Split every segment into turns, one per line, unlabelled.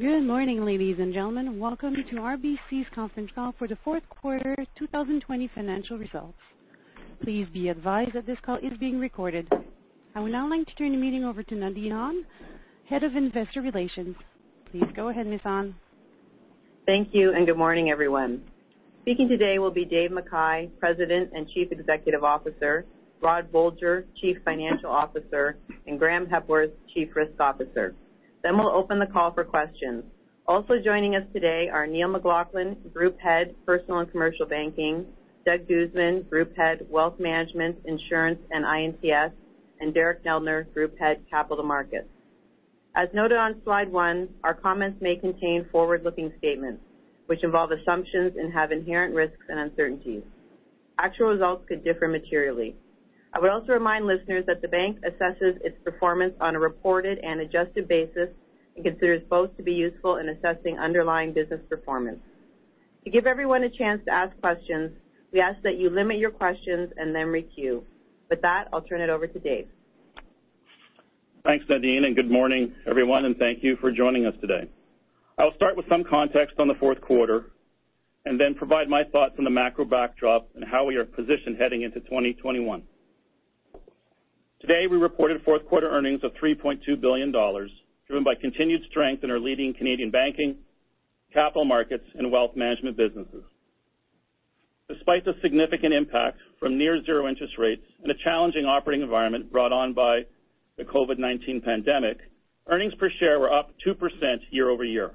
Good morning, ladies and gentlemen. Welcome to RBC's Conference Call for the Fourth Quarter 2020 Financial Results. Please be advised that this call is being recorded. I would now like to turn the meeting over to Nadine Ahn, Head of Investor Relations. Please go ahead, Ms. Ahn.
Thank you, and good morning, everyone. Speaking today will be Dave McKay, President and Chief Executive Officer, Rod Bolger, Chief Financial Officer, and Graeme Hepworth, Chief Risk Officer. We'll open the call for questions. Also joining us today are Neil McLaughlin, Group Head, Personal and Commercial Banking, Doug Guzman, Group Head, Wealth Management, Insurance, and I&TS, and Derek Neldner, Group Head, Capital Markets. As noted on slide one, our comments may contain forward-looking statements, which involve assumptions and have inherent risks and uncertainties. Actual results could differ materially. I would also remind listeners that the bank assesses its performance on a reported and adjusted basis and considers both to be useful in assessing underlying business performance. To give everyone a chance to ask questions, we ask that you limit your questions and then re-queue. With that, I'll turn it over to Dave.
Thanks, Nadine. Good morning, everyone, and thank you for joining us today. I will start with some context on the fourth quarter, then provide my thoughts on the macro backdrop and how we are positioned heading into 2021. Today, we reported fourth quarter earnings of 3.2 billion dollars, driven by continued strength in our leading Canadian Banking, Capital Markets, and Wealth Management businesses. Despite the significant impact from near zero interest rates and a challenging operating environment brought on by the COVID-19 pandemic, earnings per share were up 2% year-over-year.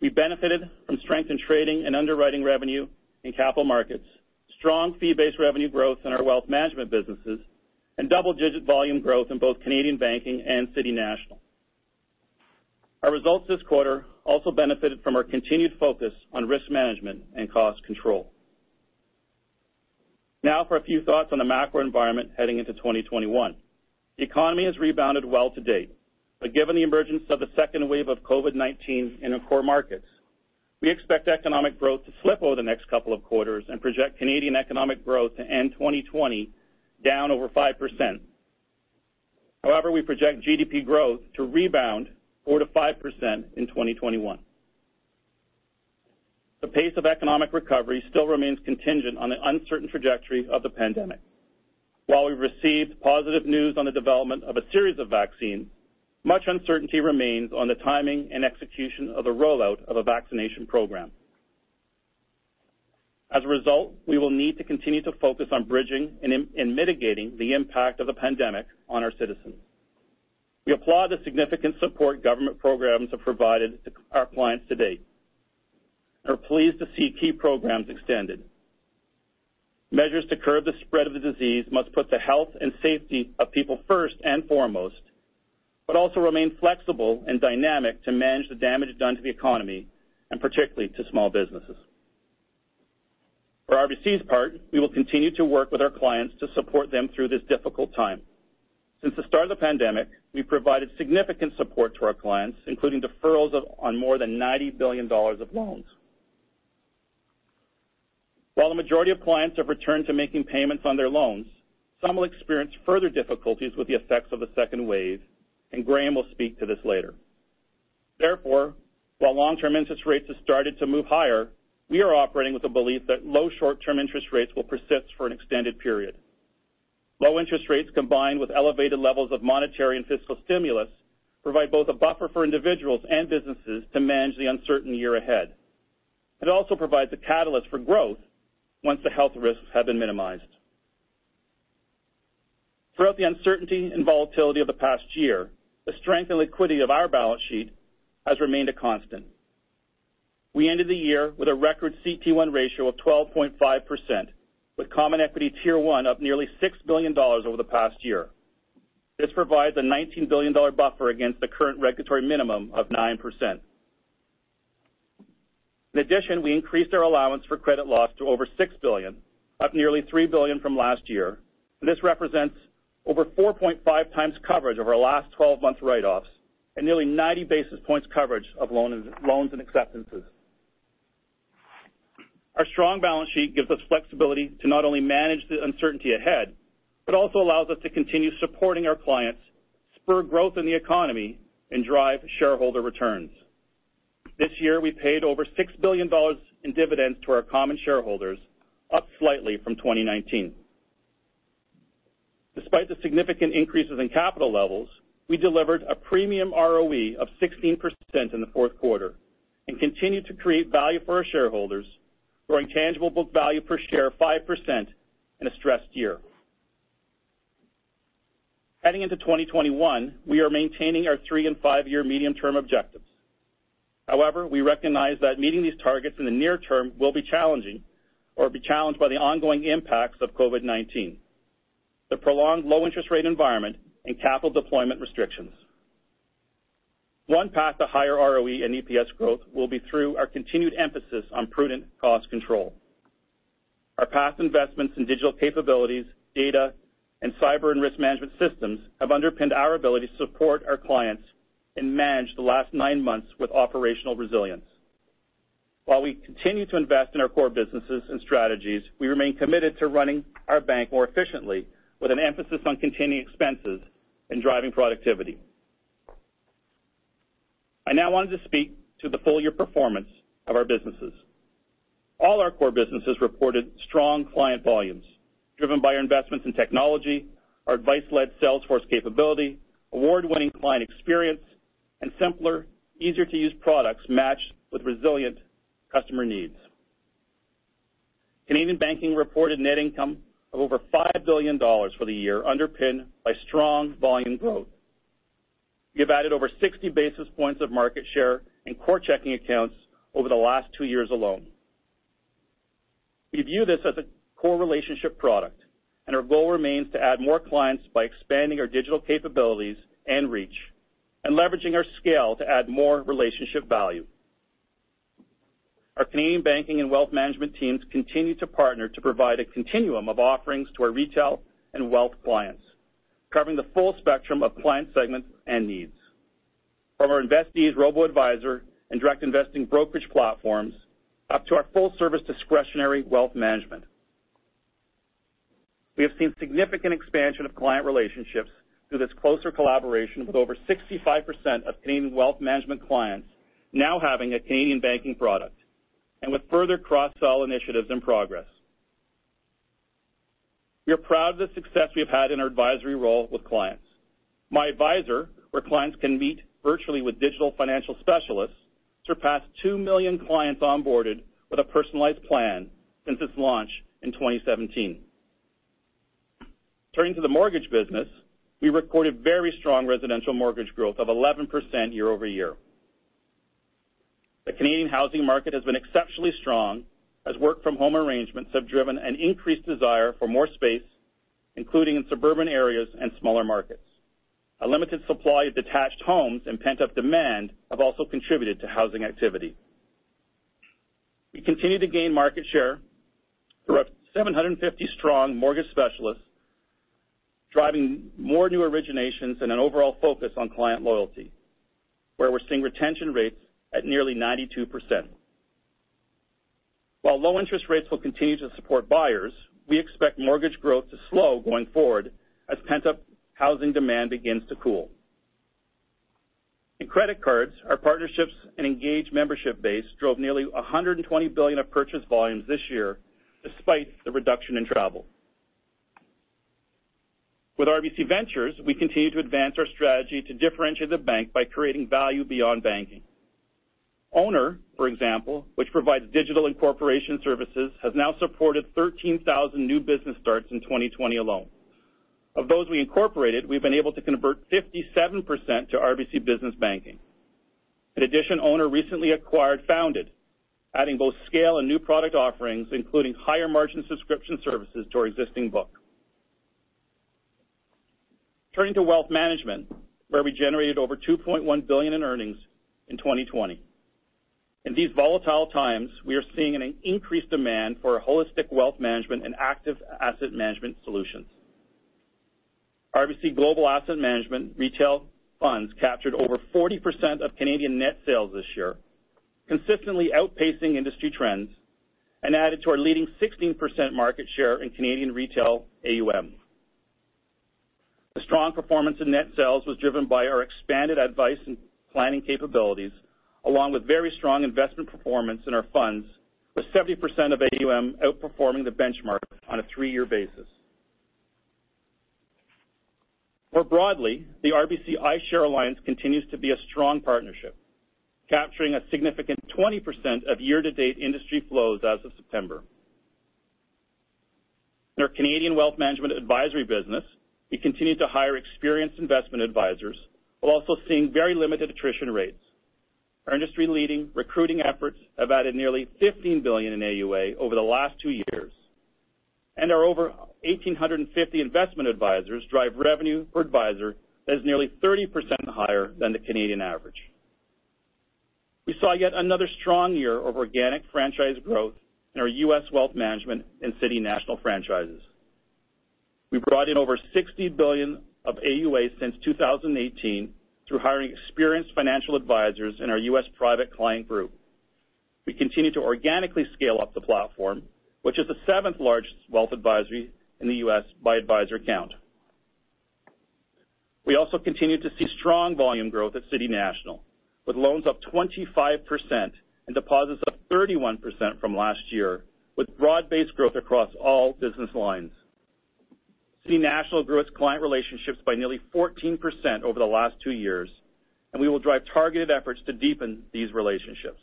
We benefited from strength in trading and underwriting revenue in Capital Markets, strong fee-based revenue growth in our Wealth Management businesses, and double-digit volume growth in both Canadian Banking and City National. Our results this quarter also benefited from our continued focus on risk management and cost control. For a few thoughts on the macro environment heading into 2021. The economy has rebounded well to date, but given the emergence of the second wave of COVID-19 in our core markets, we expect economic growth to slip over the next couple of quarters and project Canadian economic growth to end 2020 down over 5%. We project GDP growth to rebound 4% to 5% in 2021. The pace of economic recovery still remains contingent on the uncertain trajectory of the pandemic. We've received positive news on the development of a series of vaccines, much uncertainty remains on the timing and execution of the rollout of a vaccination program. We will need to continue to focus on bridging and mitigating the impact of the pandemic on our citizens. We applaud the significant support government programs have provided to our clients to date and are pleased to see key programs extended. Measures to curb the spread of the disease must put the health and safety of people first and foremost, but also remain flexible and dynamic to manage the damage done to the economy, and particularly to small businesses. For RBC's part, we will continue to work with our clients to support them through this difficult time. Since the start of the pandemic, we've provided significant support to our clients, including deferrals on more than 90 billion dollars of loans. While the majority of clients have returned to making payments on their loans, some will experience further difficulties with the effects of the second wave, and Graeme will speak to this later. While long-term interest rates have started to move higher, we are operating with the belief that low short-term interest rates will persist for an extended period. Low interest rates, combined with elevated levels of monetary and fiscal stimulus, provide both a buffer for individuals and businesses to manage the uncertain year ahead. It also provides a catalyst for growth once the health risks have been minimized. Throughout the uncertainty and volatility of the past year, the strength and liquidity of our balance sheet has remained a constant. We ended the year with a record CET1 ratio of 12.5%, with common equity Tier 1 up nearly 6 billion dollars over the past year. This provides a 19 billion dollar buffer against the current regulatory minimum of 9%. In addition, we increased our allowance for credit loss to over 6 billion, up nearly 3 billion from last year, and this represents over 4.5x coverage over our last 12 months write-offs and nearly 90 basis points coverage of loans and acceptances. Our strong balance sheet gives us flexibility to not only manage the uncertainty ahead, but also allows us to continue supporting our clients, spur growth in the economy, and drive shareholder returns. This year, we paid over 6 billion dollars in dividends to our common shareholders, up slightly from 2019. Despite the significant increases in capital levels, we delivered a premium ROE of 16% in the fourth quarter and continued to create value for our shareholders, growing tangible book value per share 5% in a stressed year. Heading into 2021, we are maintaining our three and five-year medium-term objectives. We recognize that meeting these targets in the near term will be challenging, or be challenged by the ongoing impacts of COVID-19, the prolonged low interest rate environment, and capital deployment restrictions. One path to higher ROE and EPS growth will be through our continued emphasis on prudent cost control. Our past investments in digital capabilities, data, and cyber and risk management systems have underpinned our ability to support our clients and manage the last nine months with operational resilience. While we continue to invest in our core businesses and strategies, we remain committed to running our bank more efficiently with an emphasis on containing expenses and driving productivity. I now want to speak to the full year performance of our businesses. All our core businesses reported strong client volumes driven by our investments in technology, our advice-led sales force capability, award-winning client experience, and simpler, easier-to-use products matched with resilient customer needs. Canadian banking reported net income of over 5 billion dollars for the year underpinned by strong volume growth. We have added over 60 basis points of market share in core checking accounts over the last two years alone. We view this as a core relationship product, and our goal remains to add more clients by expanding our digital capabilities and reach and leveraging our scale to add more relationship value. Our Canadian banking and wealth management teams continue to partner to provide a continuum of offerings to our retail and wealth clients, covering the full spectrum of client segments and needs. From our InvestEase robo-advisor and direct investing brokerage platforms up to our full-service discretionary wealth management. We have seen significant expansion of client relationships through this closer collaboration with over 65% of Canadian wealth management clients now having a Canadian banking product and with further cross-sell initiatives in progress. We are proud of the success we have had in our advisory role with clients. MyAdvisor, where clients can meet virtually with digital financial specialists, surpassed 2 million clients onboarded with a personalized plan since its launch in 2017. Turning to the mortgage business, we recorded very strong residential mortgage growth of 11% year-over-year. The Canadian housing market has been exceptionally strong as work-from-home arrangements have driven an increased desire for more space, including in suburban areas and smaller markets. A limited supply of detached homes and pent-up demand have also contributed to housing activity. We continue to gain market share through our 750 strong mortgage specialists, driving more new originations and an overall focus on client loyalty, where we're seeing retention rates at nearly 92%. While low interest rates will continue to support buyers, we expect mortgage growth to slow going forward as pent-up housing demand begins to cool. In credit cards, our partnerships and engaged membership base drove nearly 120 billion of purchase volumes this year, despite the reduction in travel. With RBC Ventures, we continue to advance our strategy to differentiate the bank by creating value beyond banking. Ownr, for example, which provides digital incorporation services, has now supported 13,000 new business starts in 2020 alone. Of those we incorporated, we've been able to convert 57% to RBC Business Banking. In addition, Ownr recently acquired Founded, adding both scale and new product offerings, including higher-margin subscription services to our existing book. Turning to wealth management, where we generated over 2.1 billion in earnings in 2020. In these volatile times, we are seeing an increased demand for holistic wealth management and active asset management solutions. RBC Global Asset Management retail funds captured over 40% of Canadian net sales this year, consistently outpacing industry trends, and added to our leading 16% market share in Canadian retail AUM. The strong performance in net sales was driven by our expanded advice and planning capabilities, along with very strong investment performance in our funds, with 70% of AUM outperforming the benchmark on a three-year basis. More broadly, the RBC iShares alliance continues to be a strong partnership, capturing a significant 20% of year-to-date industry flows as of September. In our Canadian wealth management advisory business, we continued to hire experienced investment advisors while also seeing very limited attrition rates. Our industry-leading recruiting efforts have added nearly 15 billion in AUA over the last two years, and our over 1,850 investment advisors drive revenue per advisor that is nearly 30% higher than the Canadian average. We saw yet another strong year of organic franchise growth in our U.S. Wealth Management and City National franchises. We brought in over 60 billion of AUA since 2018 through hiring experienced financial advisors in our U.S. Private Client Group. We continue to organically scale up the platform, which is the seventh-largest wealth advisory in the U.S. by advisor count. We also continue to see strong volume growth at City National, with loans up 25% and deposits up 31% from last year, with broad-based growth across all business lines. City National grew its client relationships by nearly 14% over the last two years, and we will drive targeted efforts to deepen these relationships.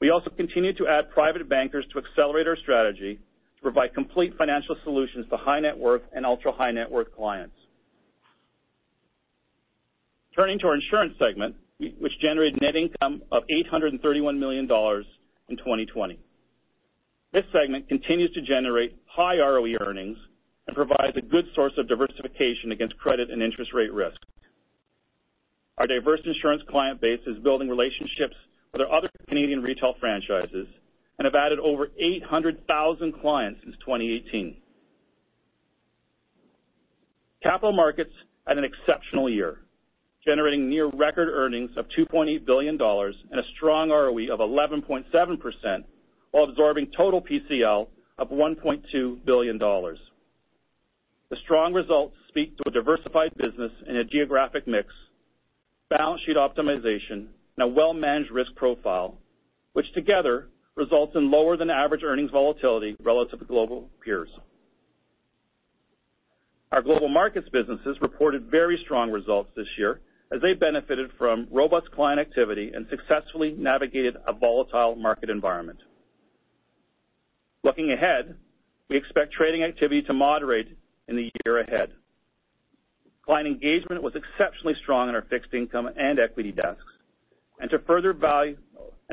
We also continue to add private bankers to accelerate our strategy to provide complete financial solutions to high-net-worth and ultra-high-net-worth clients. Turning to our Insurance segment, which generated net income of 831 million dollars in 2020. This segment continues to generate high ROE earnings and provides a good source of diversification against credit and interest rate risk. Our diverse insurance client base is building relationships with our other Canadian retail franchises and have added over 800,000 clients since 2018. Capital Markets had an exceptional year, generating near record earnings of 2.8 billion dollars and a strong ROE of 11.7%, while absorbing total PCL of 1.2 billion dollars. The strong results speak to a diversified business and a geographic mix, balance sheet optimization and a well-managed risk profile, which together results in lower than average earnings volatility relative to global peers. Our global markets businesses reported very strong results this year as they benefited from robust client activity and successfully navigated a volatile market environment. Looking ahead, we expect trading activity to moderate in the year ahead. Client engagement was exceptionally strong in our fixed income and equity desks. To further value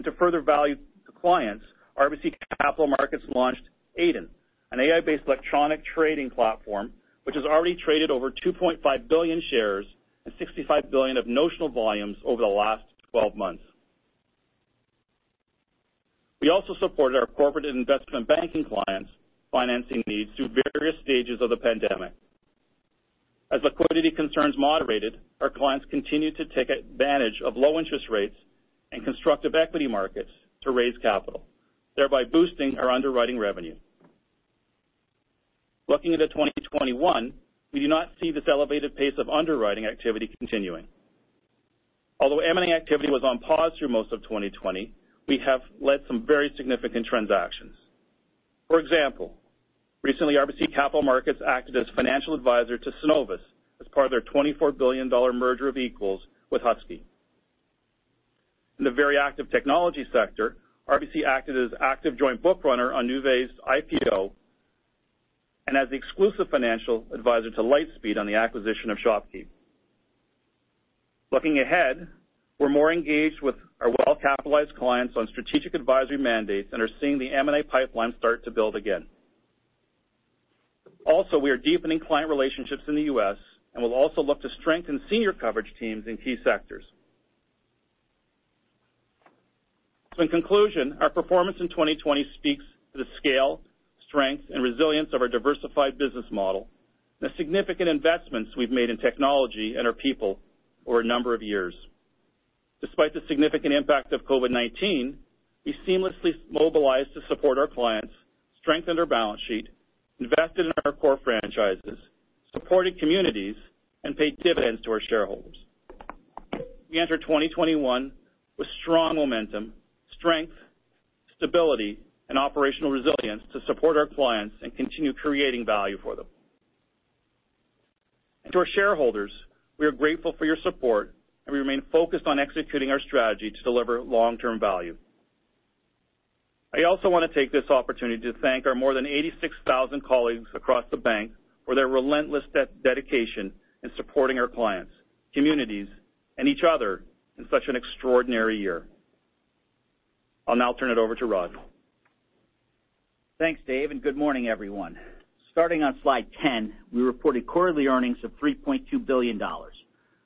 to clients, RBC Capital Markets launched Aiden, an AI-based electronic trading platform, which has already traded over 2.5 billion shares and 65 billion of notional volumes over the last 12 months. We also supported our corporate investment banking clients' financing needs through various stages of the pandemic. As liquidity concerns moderated, our clients continued to take advantage of low interest rates and constructive equity markets to raise capital, thereby boosting our underwriting revenue. Looking into 2021, we do not see this elevated pace of underwriting activity continuing. Although M&A activity was on pause through most of 2020, we have led some very significant transactions. For example, recently RBC Capital Markets acted as financial advisor to Cenovus as part of their 24 billion dollar merger of equals with Husky. In the very active technology sector, RBC acted as active joint book runner on Nuvei's IPO and as the exclusive financial advisor to Lightspeed on the acquisition of ShopKeep. Looking ahead, we're more engaged with our well-capitalized clients on strategic advisory mandates and are seeing the M&A pipeline start to build again. We are deepening client relationships in the U.S. and will also look to strengthen senior coverage teams in key sectors. In conclusion, our performance in 2020 speaks to the scale, strength and resilience of our diversified business model and the significant investments we've made in technology and our people over a number of years. Despite the significant impact of COVID-19, we seamlessly mobilized to support our clients, strengthened our balance sheet, invested in our core franchises, supported communities and paid dividends to our shareholders. We enter 2021 with strong momentum, strength, stability, and operational resilience to support our clients and continue creating value for them. To our shareholders, we are grateful for your support, and we remain focused on executing our strategy to deliver long-term value. I also want to take this opportunity to thank our more than 86,000 colleagues across the bank for their relentless dedication in supporting our clients, communities and each other in such an extraordinary year. I'll now turn it over to Rod.
Thanks, Dave. Good morning, everyone. Starting on slide 10, we reported quarterly earnings of 3.2 billion dollars.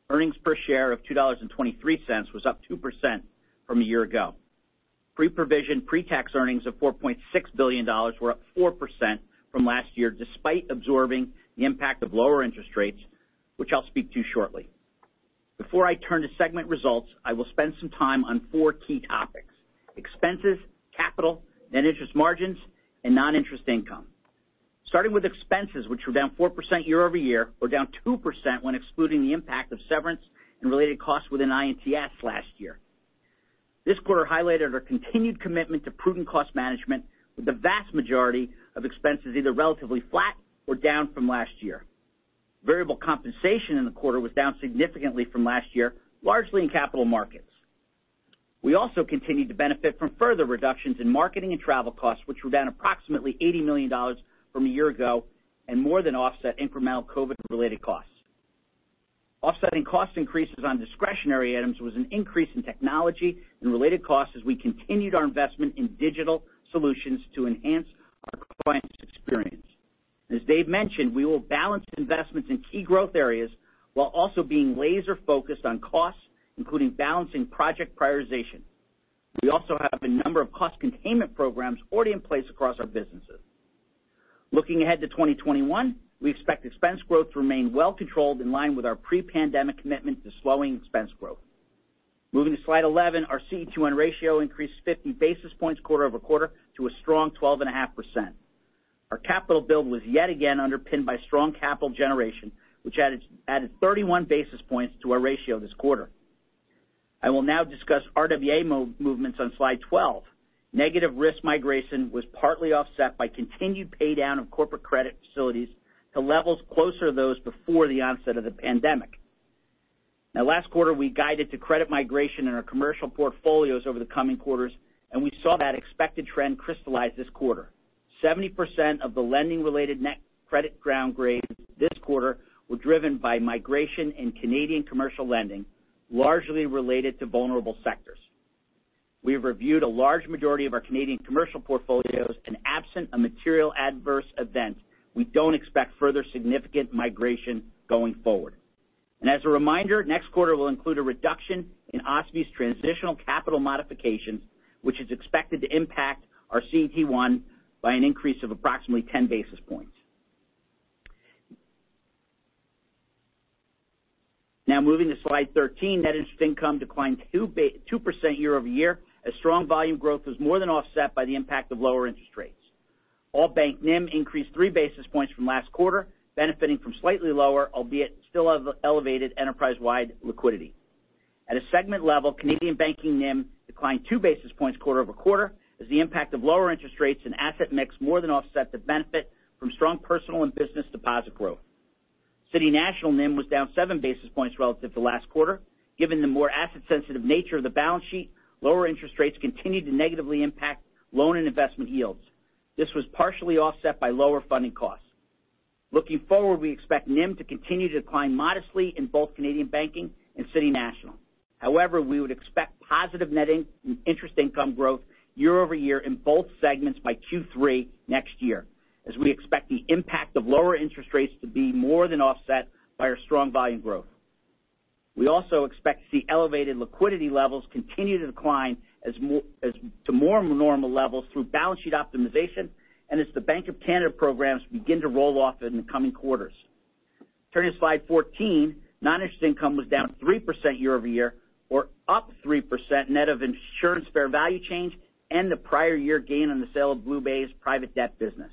Earnings per share of 2.23 dollars was up 2% from a year ago. Pre-provision, pre-tax earnings of 4.6 billion dollars were up 4% from last year, despite absorbing the impact of lower interest rates, which I'll speak to shortly. Before I turn to segment results, I will spend some time on four key topics: expenses, capital, net interest margins and non-interest income. Starting with expenses, which were down 4% year-over-year, or down 2% when excluding the impact of severance and related costs within I&TS last year. This quarter highlighted our continued commitment to prudent cost management, with the vast majority of expenses either relatively flat or down from last year. Variable compensation in the quarter was down significantly from last year, largely in Capital Markets. We also continued to benefit from further reductions in marketing and travel costs, which were down approximately CAD 80 million from a year ago and more than offset incremental COVID-related costs. Offsetting cost increases on discretionary items was an increase in technology and related costs as we continued our investment in digital solutions to enhance our clients' experience. As Dave mentioned, we will balance investments in key growth areas while also being laser focused on costs, including balancing project prioritization. We also have a number of cost containment programs already in place across our businesses. Looking ahead to 2021, we expect expense growth to remain well controlled in line with our pre-pandemic commitment to slowing expense growth. Moving to slide 11, our CET1 ratio increased 50 basis points quarter-over-quarter to a strong 12.5%. Our capital build was yet again underpinned by strong capital generation, which added 31 basis points to our ratio this quarter. I will now discuss RWA movements on slide 12. Negative risk migration was partly offset by continued paydown of corporate credit facilities to levels closer to those before the onset of the pandemic. Now last quarter, we guided to credit migration in our commercial portfolios over the coming quarters, and we saw that expected trend crystallize this quarter. 70% of the lending related net credit downgrades this quarter were driven by migration in Canadian commercial lending, largely related to vulnerable sectors. We have reviewed a large majority of our Canadian commercial portfolios and absent a material adverse event, we don't expect further significant migration going forward. As a reminder, next quarter will include a reduction in OSFI's transitional capital modifications, which is expected to impact our CET1 by an increase of approximately 10 basis points. Now moving to slide 13, net interest income declined 2% year-over-year as strong volume growth was more than offset by the impact of lower interest rates. All-bank NIM increased 3 basis points from last quarter, benefiting from slightly lower, albeit still elevated, enterprise-wide liquidity. At a segment level, Canadian Banking NIM declined 2 basis points quarter-over-quarter as the impact of lower interest rates and asset mix more than offset the benefit from strong personal and business deposit growth. City National NIM was down 7 basis points relative to last quarter. Given the more asset-sensitive nature of the balance sheet, lower interest rates continued to negatively impact loan and investment yields. This was partially offset by lower funding costs. We expect NIM to continue to decline modestly in both Canadian Banking and City National. We would expect positive net interest income growth year-over-year in both segments by Q3 next year, as we expect the impact of lower interest rates to be more than offset by our strong volume growth. We also expect to see elevated liquidity levels continue to decline to more normal levels through balance sheet optimization and as the Bank of Canada programs begin to roll off in the coming quarters. Turning to slide 14, non-interest income was down 3% year-over-year, or up 3% net of insurance fair value change and the prior-year gain on the sale of BlueBay's private debt business.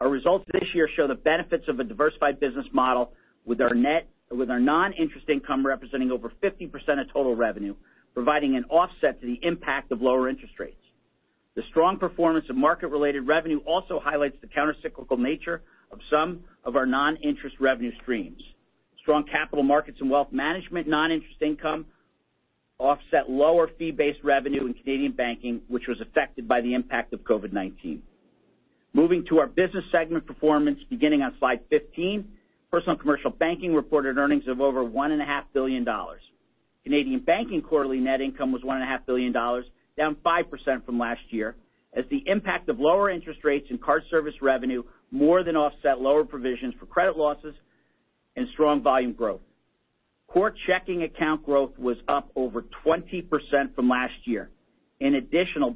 Our results this year show the benefits of a diversified business model with our non-interest income representing over 50% of total revenue, providing an offset to the impact of lower interest rates. The strong performance of market-related revenue also highlights the counter-cyclical nature of some of our non-interest revenue streams. Strong Capital Markets and Wealth Management non-interest income offset lower fee-based revenue in Canadian Banking, which was affected by the impact of COVID-19. Moving to our business segment performance beginning on slide 15, Personal and Commercial Banking reported earnings of over 1.5 billion Canadian dollars. Canadian Banking quarterly net income was 1.5 billion dollars, down 5% from last year, as the impact of lower interest rates and card service revenue more than offset lower provisions for credit losses and strong volume growth. Core checking account growth was up over 20% from last year. In addition,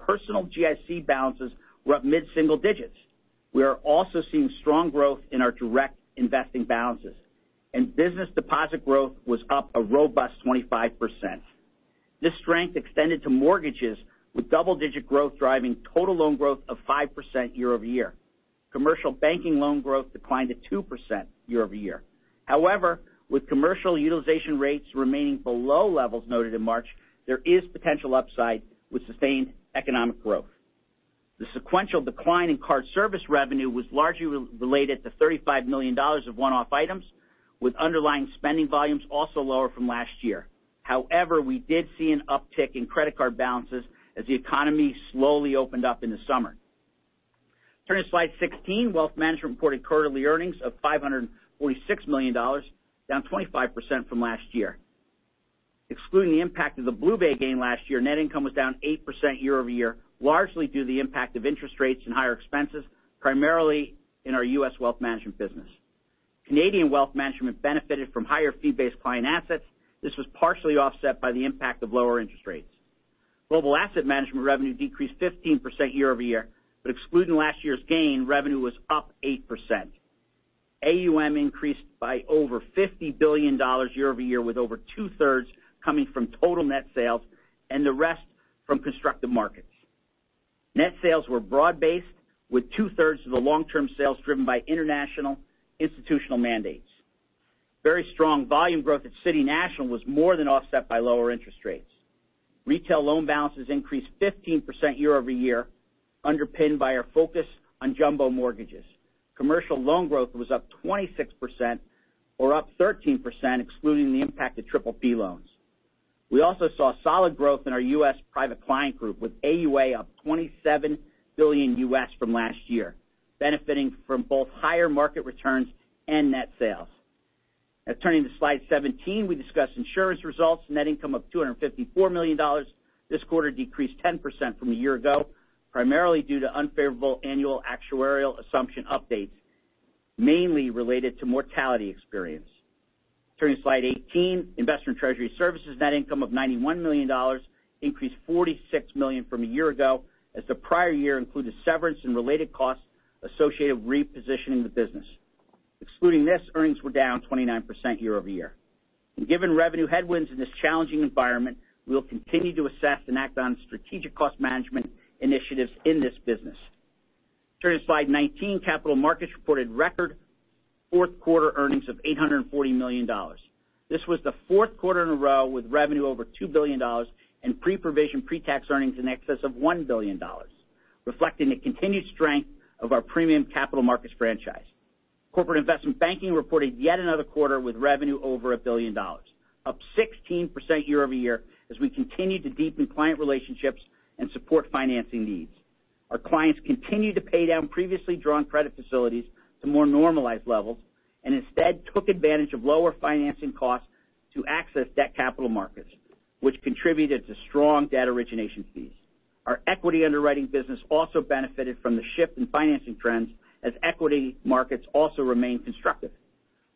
personal GIC balances were up mid-single digits. We are also seeing strong growth in our direct investing balances, and business deposit growth was up a robust 25%. This strength extended to mortgages, with double-digit growth driving total loan growth of 5% year-over-year. Commercial banking loan growth declined to 2% year-over-year. However, with commercial utilization rates remaining below levels noted in March, there is potential upside with sustained economic growth. The sequential decline in card service revenue was largely related to 35 million dollars of one-off items, with underlying spending volumes also lower from last year. However, we did see an uptick in credit card balances as the economy slowly opened up in the summer. Turning to slide 16, Wealth Management reported quarterly earnings of 546 million dollars, down 25% from last year. Excluding the impact of the BlueBay gain last year, net income was down 8% year-over-year, largely due to the impact of interest rates and higher expenses, primarily in our U.S. Wealth Management business. Canadian Wealth Management benefited from higher fee-based client assets. This was partially offset by the impact of lower interest rates. Global Asset Management revenue decreased 15% year-over-year, but excluding last year's gain, revenue was up 8%. AUM increased by over 50 billion dollars year-over-year, with over two-thirds coming from total net sales and the rest from constructive markets. Net sales were broad-based, with two-thirds of the long-term sales driven by international institutional mandates. Very strong volume growth at City National was more than offset by lower interest rates. Retail loan balances increased 15% year-over-year, underpinned by our focus on jumbo mortgages. Commercial loan growth was up 26%, or up 13% excluding the impact of PPP loans. We also saw solid growth in our U.S. Private Client Group, with AUA up 27 billion from last year, benefiting from both higher market returns and net sales. Turning to slide 17, we discuss insurance results. Net income of 254 million dollars. This quarter decreased 10% from a year ago, primarily due to unfavorable annual actuarial assumption updates, mainly related to mortality experience. Turning to slide 18, Investor & Treasury Services net income of 91 million dollars increased 46 million from a year ago, as the prior year included severance and related costs associated with repositioning the business. Excluding this, earnings were down 29% year-over-year. Given revenue headwinds in this challenging environment, we will continue to assess and act on strategic cost management initiatives in this business. Turning to slide 19, Capital Markets reported record fourth quarter earnings of 840 million dollars. This was the fourth quarter in a row with revenue over 2 billion dollars and pre-provision, pre-tax earnings in excess of 1 billion dollars, reflecting the continued strength of our premium Capital Markets franchise. Corporate and Investment Banking reported yet another quarter with revenue over 1 billion dollars, up 16% year-over-year as we continue to deepen client relationships and support financing needs. Our clients continued to pay down previously drawn credit facilities to more normalized levels and instead took advantage of lower financing costs to access debt capital markets, which contributed to strong debt origination fees. Our equity underwriting business also benefited from the shift in financing trends as equity markets also remain constructive.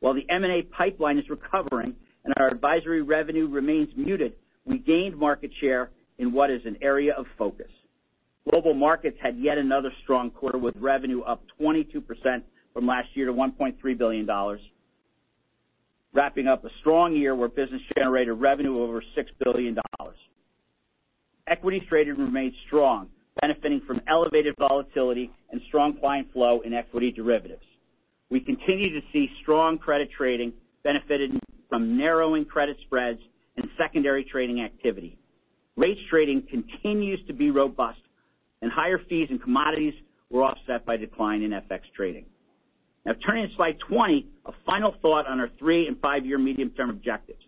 While the M&A pipeline is recovering and our advisory revenue remains muted, we gained market share in what is an area of focus. Global Markets had yet another strong quarter, with revenue up 22% from last year to 1.3 billion dollars, wrapping up a strong year where business generated revenue over 6 billion dollars. Equity trading remained strong, benefiting from elevated volatility and strong client flow in equity derivatives. We continue to see strong credit trading benefited from narrowing credit spreads and secondary trading activity. Rates trading continues to be robust. Higher fees and commodities were offset by decline in FX trading. Now turning to slide 20, a final thought on our three and five-year medium-term objectives.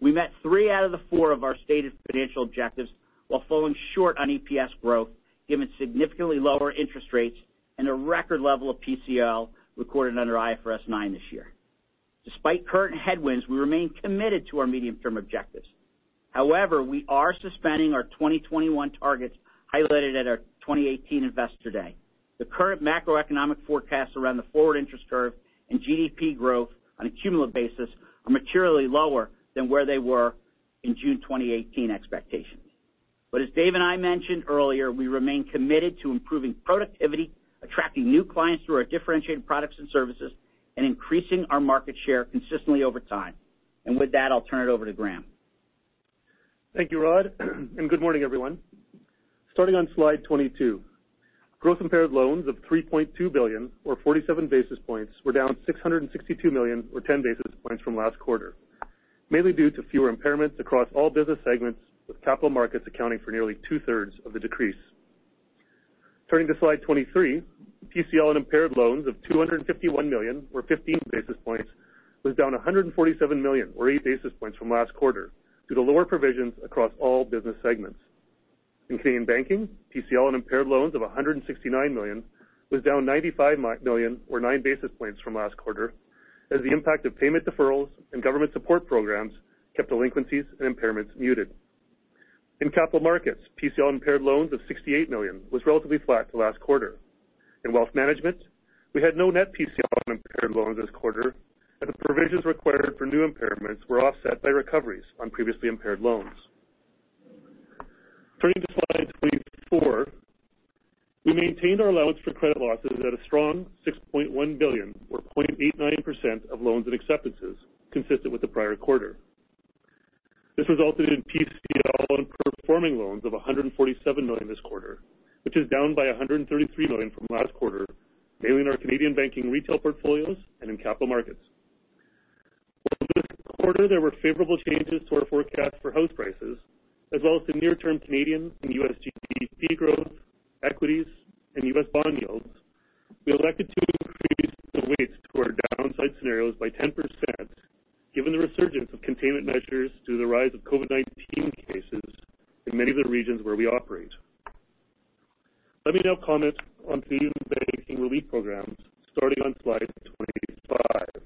We met three out of the four of our stated financial objectives while falling short on EPS growth given significantly lower interest rates and a record level of PCL recorded under IFRS 9 this year. Despite current headwinds, we remain committed to our medium-term objectives. However, we are suspending our 2021 targets highlighted at our 2018 Investor Day. The current macroeconomic forecasts around the forward interest curve and GDP growth on a cumulative basis are materially lower than where they were in June 2018 expectations. As Dave and I mentioned earlier, we remain committed to improving productivity, attracting new clients through our differentiated products and services, and increasing our market share consistently over time. And with that, I'll turn it over to Graeme.
Thank you, Rod. Good morning, everyone. Starting on slide 22. Gross impaired loans of 3.2 billion or 47 basis points were down 662 million or 10 basis points from last quarter, mainly due to fewer impairments across all business segments, with Capital Markets accounting for nearly two-thirds of the decrease. Turning to slide 23. PCL and impaired loans of 251 million or 15 basis points was down 147 million or 8 basis points from last quarter due to lower provisions across all business segments. In Canadian Banking, PCL and impaired loans of 169 million was down 95 million or 9 basis points from last quarter as the impact of payment deferrals and government support programs kept delinquencies and impairments muted. In Capital Markets, PCL impaired loans of 68 million was relatively flat to last quarter. In Wealth Management, we had no net PCL on impaired loans this quarter, and the provisions required for new impairments were offset by recoveries on previously impaired loans. Turning to slide 24. We maintained our allowance for credit losses at a strong 6.1 billion or 0.89% of loans and acceptances consistent with the prior quarter. This resulted in PCL on performing loans of 147 million this quarter, which is down by 133 million from last quarter, mainly in our Canadian Banking retail portfolios and in Capital Markets. While this quarter there were favorable changes to our forecast for house prices as well as the near-term Canadian and U.S. GDP growth, equities, and U.S. bond yields, we elected to increase the weights to our downside scenarios by 10% given the resurgence of containment measures due to the rise of COVID-19 cases in many of the regions where we operate. Let me now comment on Canadian Banking Relief Programs starting on slide 25.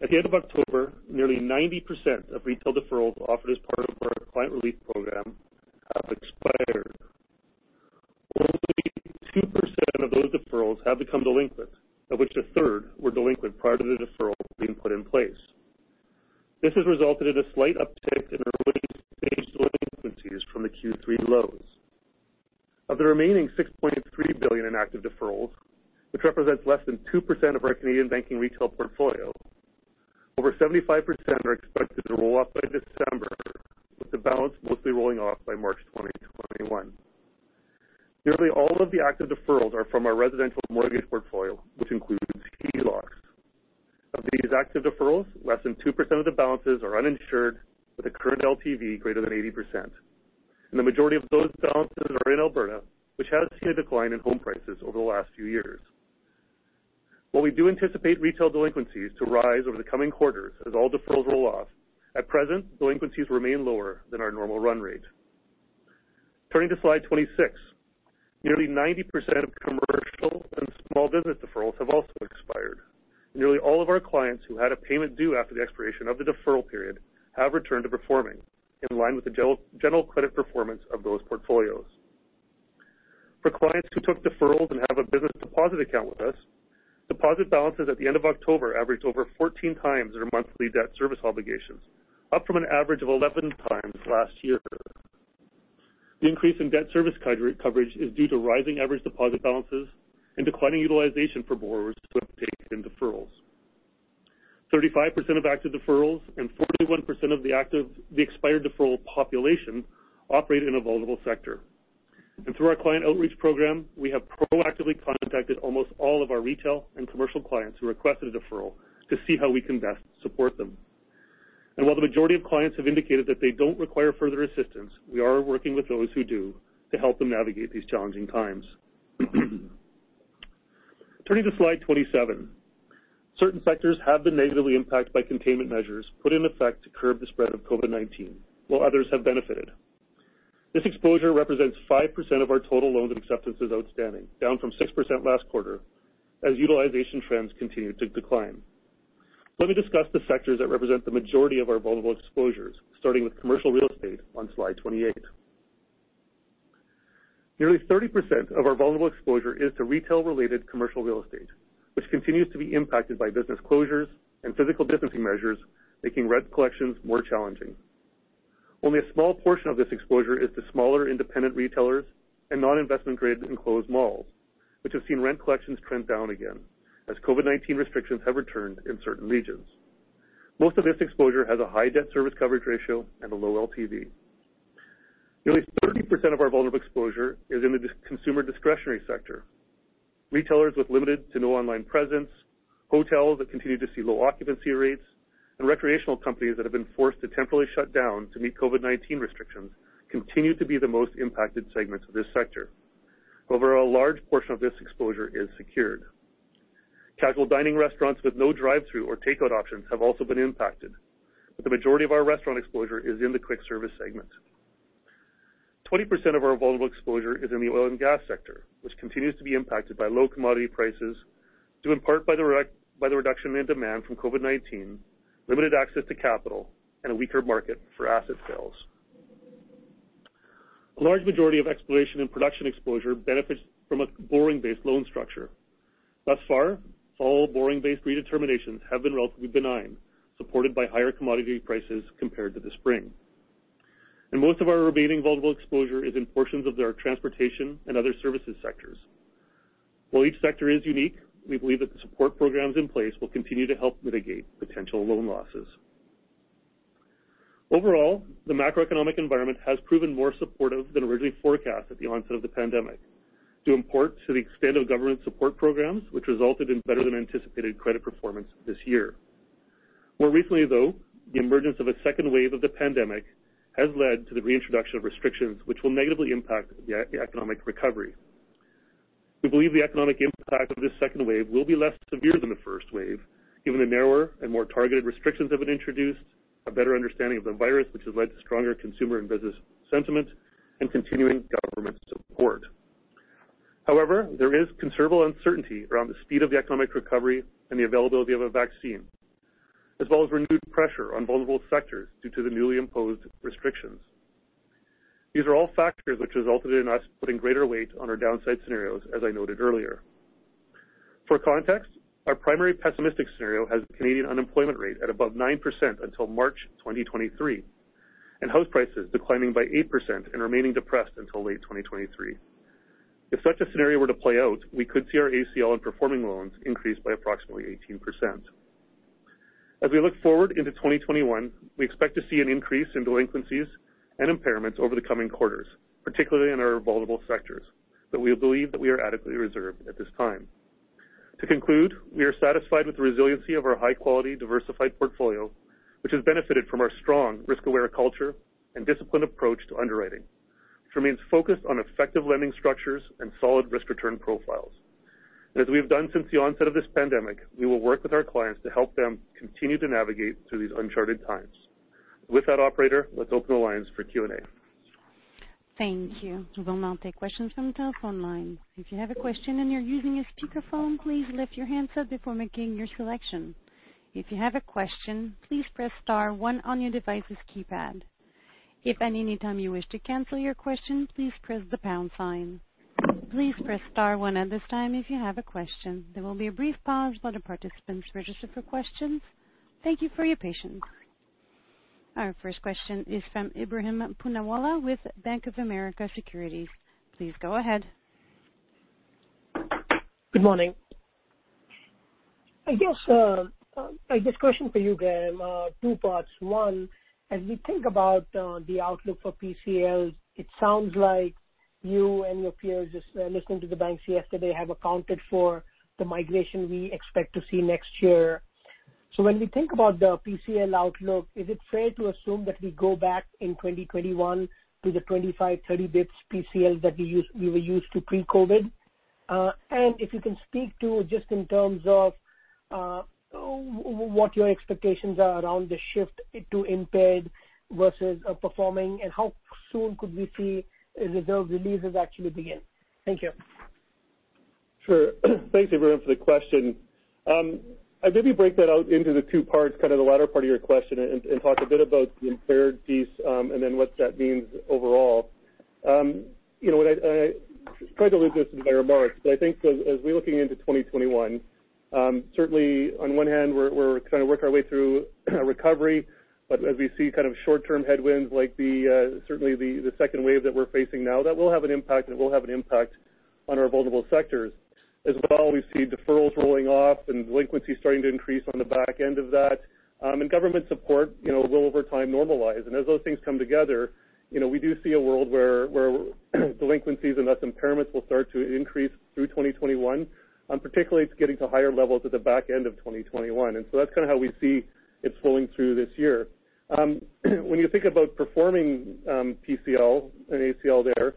At the end of October, nearly 90% of retail deferrals offered as part of our Client Relief Program have expired. Only 2% of those deferrals have become delinquent, of which a third were delinquent prior to the deferral being put in place. This has resulted in a slight uptick in early-stage delinquencies from the Q3 lows. Of the remaining 6.3 billion in active deferrals, which represents less than 2% of our Canadian Banking retail portfolio, over 75% are expected to roll off by December, with the balance mostly rolling off by March 2021. Nearly all of the active deferrals are from our residential mortgage portfolio, which includes HELOCs. Of these active deferrals, less than 2% of the balances are uninsured with a current LTV greater than 80%, and the majority of those balances are in Alberta, which has seen a decline in home prices over the last few years. While we do anticipate retail delinquencies to rise over the coming quarters as all deferrals roll off, at present, delinquencies remain lower than our normal run rate. Turning to slide 26. Nearly 90% of commercial and small business deferrals have also expired. Nearly all of our clients who had a payment due after the expiration of the deferral period have returned to performing in line with the general credit performance of those portfolios. For clients who took deferrals and have a business deposit account with us, deposit balances at the end of October averaged over 14x their monthly debt service obligations, up from an average of 11x last year. The increase in debt service coverage is due to rising average deposit balances and declining utilization for borrowers who have taken deferrals. 35% of active deferrals and 41% of the expired deferral population operate in a vulnerable sector. Through our client outreach program, we have proactively contacted almost all of our retail and commercial clients who requested a deferral to see how we can best support them. While the majority of clients have indicated that they don't require further assistance, we are working with those who do to help them navigate these challenging times. Turning to slide 27. Certain sectors have been negatively impacted by containment measures put in effect to curb the spread of COVID-19, while others have benefited. This exposure represents 5% of our total loans and acceptances outstanding, down from 6% last quarter, as utilization trends continue to decline. Let me discuss the sectors that represent the majority of our vulnerable exposures, starting with commercial real estate on slide 28. Nearly 30% of our vulnerable exposure is to retail-related commercial real estate, which continues to be impacted by business closures and physical distancing measures, making rent collections more challenging. Only a small portion of this exposure is to smaller, independent retailers and non-investment-grade enclosed malls, which have seen rent collections trend down again as COVID-19 restrictions have returned in certain regions. Most of this exposure has a high debt service coverage ratio and a low LTV. Nearly 30% of our vulnerable exposure is in the consumer discretionary sector. Retailers with limited to no online presence, hotels that continue to see low occupancy rates, and recreational companies that have been forced to temporarily shut down to meet COVID-19 restrictions continue to be the most impacted segments of this sector. Overall, a large portion of this exposure is secured. Casual dining restaurants with no drive-thru or takeout options have also been impacted, but the majority of our restaurant exposure is in the quick service segment. 20% of our vulnerable exposure is in the oil and gas sector, which continues to be impacted by low commodity prices due in part by the reduction in demand from COVID-19, limited access to capital, and a weaker market for asset sales. A large majority of exploration and production exposure benefits from a borrowing-based loan structure. Thus far, all borrowing-based redeterminations have been relatively benign, supported by higher commodity prices compared to the spring. Most of our remaining vulnerable exposure is in portions of our transportation and other services sectors. While each sector is unique, we believe that the support programs in place will continue to help mitigate potential loan losses. Overall, the macroeconomic environment has proven more supportive than originally forecast at the onset of the pandemic, due in part to the extent of government support programs, which resulted in better-than-anticipated credit performance this year. More recently, though, the emergence of a second wave of the pandemic has led to the reintroduction of restrictions which will negatively impact the economic recovery. We believe the economic impact of this second wave will be less severe than the first wave, given the narrower and more targeted restrictions have been introduced, a better understanding of the virus, which has led to stronger consumer and business sentiment, and continuing government support. However, there is considerable uncertainty around the speed of the economic recovery and the availability of a vaccine, as well as renewed pressure on vulnerable sectors due to the newly imposed restrictions. These are all factors which resulted in us putting greater weight on our downside scenarios, as I noted earlier. For context, our primary pessimistic scenario has the Canadian unemployment rate at above 9% until March 2023 and house prices declining by 8% and remaining depressed until late 2023. If such a scenario were to play out, we could see our ACL on performing loans increase by approximately 18%. As we look forward into 2021, we expect to see an increase in delinquencies and impairments over the coming quarters, particularly in our vulnerable sectors, but we believe that we are adequately reserved at this time. To conclude, we are satisfied with the resiliency of our high-quality, diversified portfolio, which has benefited from our strong risk-aware culture and disciplined approach to underwriting, which remains focused on effective lending structures and solid risk-return profiles. As we've done since the onset of this pandemic, we will work with our clients to help them continue to navigate through these uncharted times. With that, operator, let's open the lines for Q&A.
Thank you. We will now take questions from the telephone line. If you have a question and you're using a speakerphone, please lift your handset before making your selection. If you have a question, please press star one on your device's keypad. If at any time you wish to cancel your question, please press the pound sign. Please press star one at this time if you have a question. There will be a brief pause while the participants register for questions. Thank you for your patience. Our first question is from Ebrahim Poonawala with Bank of America Securities. Please go ahead.
Good morning. I guess a question for you, Graeme, two parts. One, as we think about the outlook for PCL, it sounds like you and your peers, just listening to the banks yesterday, have accounted for the migration we expect to see next year. When we think about the PCL outlook, is it fair to assume that we go back in 2021 to the 25, 30 basis points PCL that we were used to pre-COVID? If you can speak to just in terms of what your expectations are around the shift to impaired versus performing, and how soon could we see those releases actually begin? Thank you.
Sure. Thanks, Ebrahim, for the question. I maybe break that out into the two parts, kind of the latter part of your question, and talk a bit about the impaired piece, and then what that means overall. I tried to allude this in my remarks, but I think as we're looking into 2021, certainly on one hand, we're trying to work our way through a recovery. As we see short-term headwinds, like certainly the second wave that we're facing now, that will have an impact, and it will have an impact on our vulnerable sectors. As well, we see deferrals rolling off and delinquencies starting to increase on the back end of that. Government support will, over time, normalize. As those things come together, we do see a world where delinquencies and thus impairments will start to increase through 2021, particularly to getting to higher levels at the back end of 2021. That's kind of how we see it flowing through this year. When you think about performing PCL and ACL there,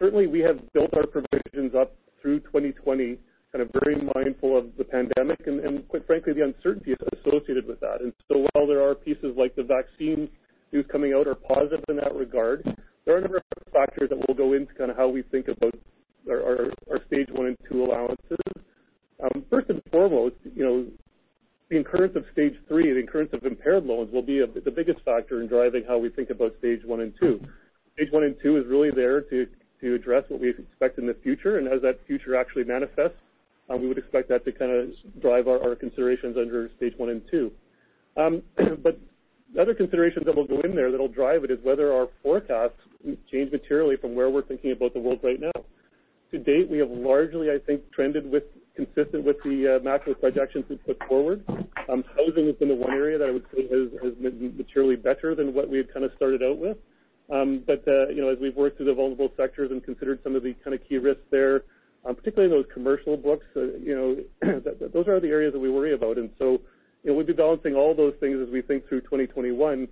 certainly we have built our provisions up through 2020, kind of very mindful of the pandemic and, quite frankly, the uncertainty associated with that. While there are pieces like the vaccine news coming out are positive in that regard, there are a number of factors that will go into kind of how we think about Our Stage 1 and 2 allowances. First and foremost, the incurrence of Stage 3, the incurrence of impaired loans will be the biggest factor in driving how we think about Stage 1 and 2. Stage 1 and 2 is really there to address what we expect in the future. As that future actually manifests, we would expect that to kind of drive our considerations under Stage 1 and 2. The other considerations that will go in there that'll drive it is whether our forecasts change materially from where we're thinking about the world right now. To date, we have largely, I think, trended consistent with the macro projections we've put forward. Housing has been the one area that I would say has been materially better than what we had kind of started out with. As we've worked through the vulnerable sectors and considered some of the kind of key risks there, particularly in those commercial books, those are the areas that we worry about. We'll be balancing all those things as we think through 2021.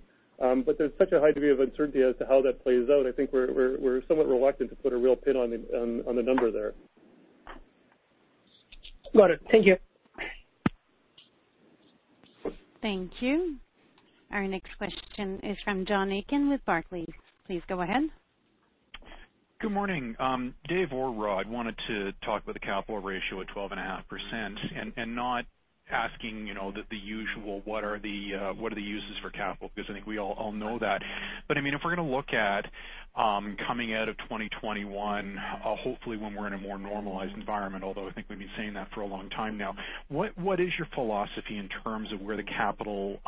There's such a high degree of uncertainty as to how that plays out. I think we're somewhat reluctant to put a real pin on the number there.
Got it. Thank you.
Thank you. Our next question is from John Aiken with Barclays. Please go ahead.
Good morning. Dave or Rod, wanted to talk about the capital ratio at 12.5% and not asking the usual, what are the uses for capital? I think we all know that. If we're going to look at coming out of 2021, hopefully when we're in a more normalized environment, although I think we've been saying that for a long time now, what is your philosophy in terms of where the capital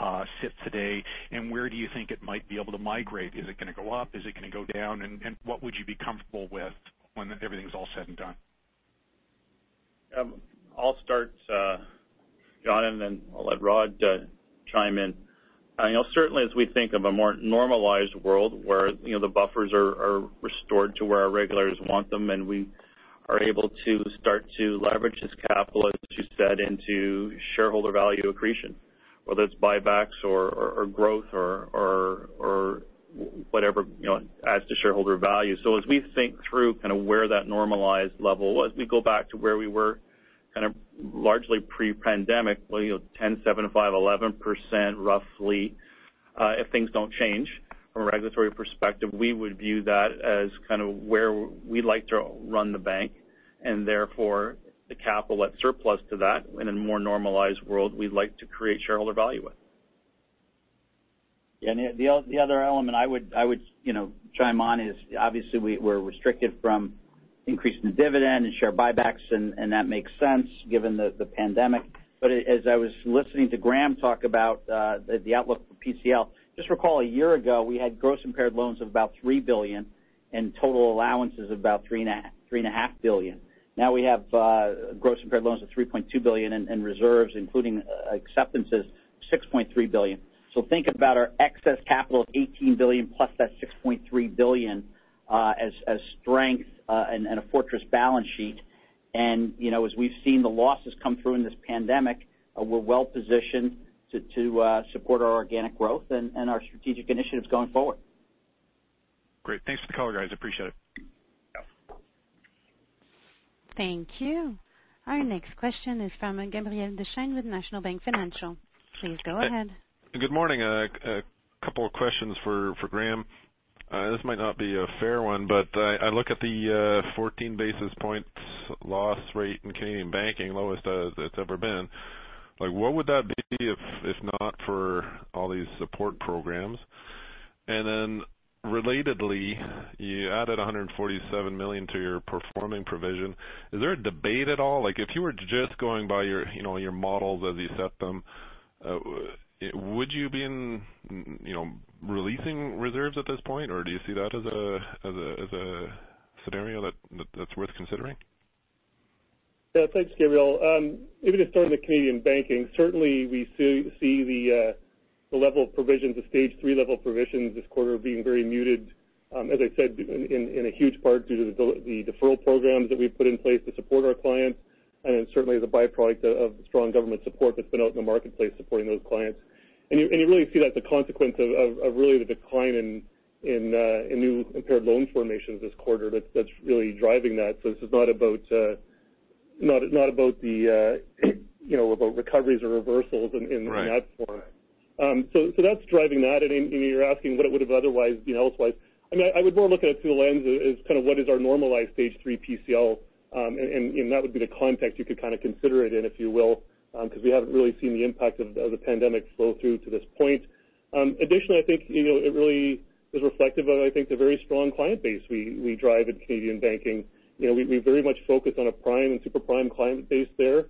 sits today, and where do you think it might be able to migrate? Is it going to go up? Is it going to go down? What would you be comfortable with when everything's all said and done?
I'll start, John, and then I'll let Rod chime in. Certainly as we think of a more normalized world where the buffers are restored to where our regulators want them, and we are able to start to leverage this capital, as you said, into shareholder value accretion, whether it's buybacks or growth or whatever adds to shareholder value. As we think through kind of where that normalized level was, we go back to where we were kind of largely pre-pandemic, 10, seven, five, 11%, roughly. If things don't change from a regulatory perspective, we would view that as kind of where we'd like to run the bank, and therefore the capital at surplus to that in a more normalized world, we'd like to create shareholder value with.
The other element I would chime on is obviously we're restricted from increasing the dividend and share buybacks, and that makes sense given the pandemic. As I was listening to Graeme talk about the outlook for PCL, just recall a year ago, we had gross impaired loans of about 3 billion and total allowances of about 3.5 billion. Now we have gross impaired loans of 3.2 billion and reserves, including acceptances, 6.3 billion. Think about our excess capital of 18 billion plus that 6.3 billion as strength and a fortress balance sheet. As we've seen the losses come through in this pandemic, we're well positioned to support our organic growth and our strategic initiatives going forward.
Great. Thanks for the color, guys. Appreciate it.
Yeah.
Thank you. Our next question is from Gabriel Dechaine with National Bank Financial. Please go ahead.
Good morning. A couple of questions for Graeme. This might not be a fair one, but I look at the 14 basis points loss rate in Canadian banking, lowest it's ever been. Relatedly, you added 147 million to your performing provision. Is there a debate at all? If you were just going by your models as you set them, would you be releasing reserves at this point, or do you see that as a scenario that's worth considering?
Yeah. Thanks, Gabriel. Maybe to start with Canadian banking, certainly we see the Stage 3 level provisions this quarter being very muted. As I said, in a huge part due to the deferral programs that we've put in place to support our clients, and certainly as a byproduct of strong government support that's been out in the marketplace supporting those clients. You really see that the consequence of really the decline in new impaired loan formations this quarter, that's really driving that. This is not about recoveries or reversals in that form.
Right.
That's driving that. You're asking what it would've otherwise been elsewise. I would more look at it through a lens as kind of what is our normalized Stage 3 PCL, and that would be the context you could kind of consider it in, if you will, because we haven't really seen the impact of the pandemic flow through to this point. Additionally, I think it really is reflective of, I think, the very strong client base we drive in Canadian banking. We very much focus on a prime and super prime client base there.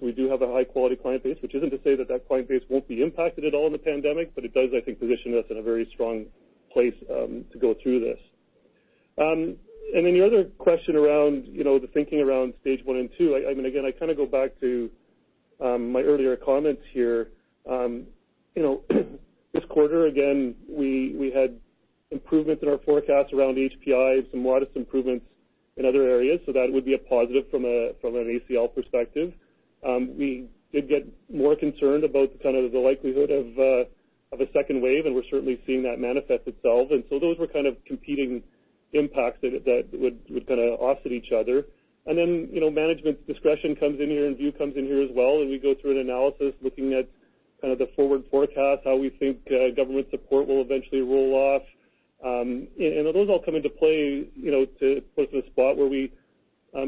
We do have a high-quality client base, which isn't to say that that client base won't be impacted at all in the pandemic, but it does, I think, position us in a very strong place to go through this. The other question around the thinking around Stage 1 and 2, again, I kind of go back to my earlier comments here. This quarter, again, we had improvements in our forecast around HPI, some modest improvements in other areas. That would be a positive from an ACL perspective. We did get more concerned about kind of the likelihood of a second wave, and we're certainly seeing that manifest itself. Those were kind of competing impacts that would kind of offset each other. Management's discretion comes in here, and view comes in here as well, and we go through an analysis looking at kind of the forward forecast, how we think government support will eventually roll off. Those all come into play to put us in a spot where we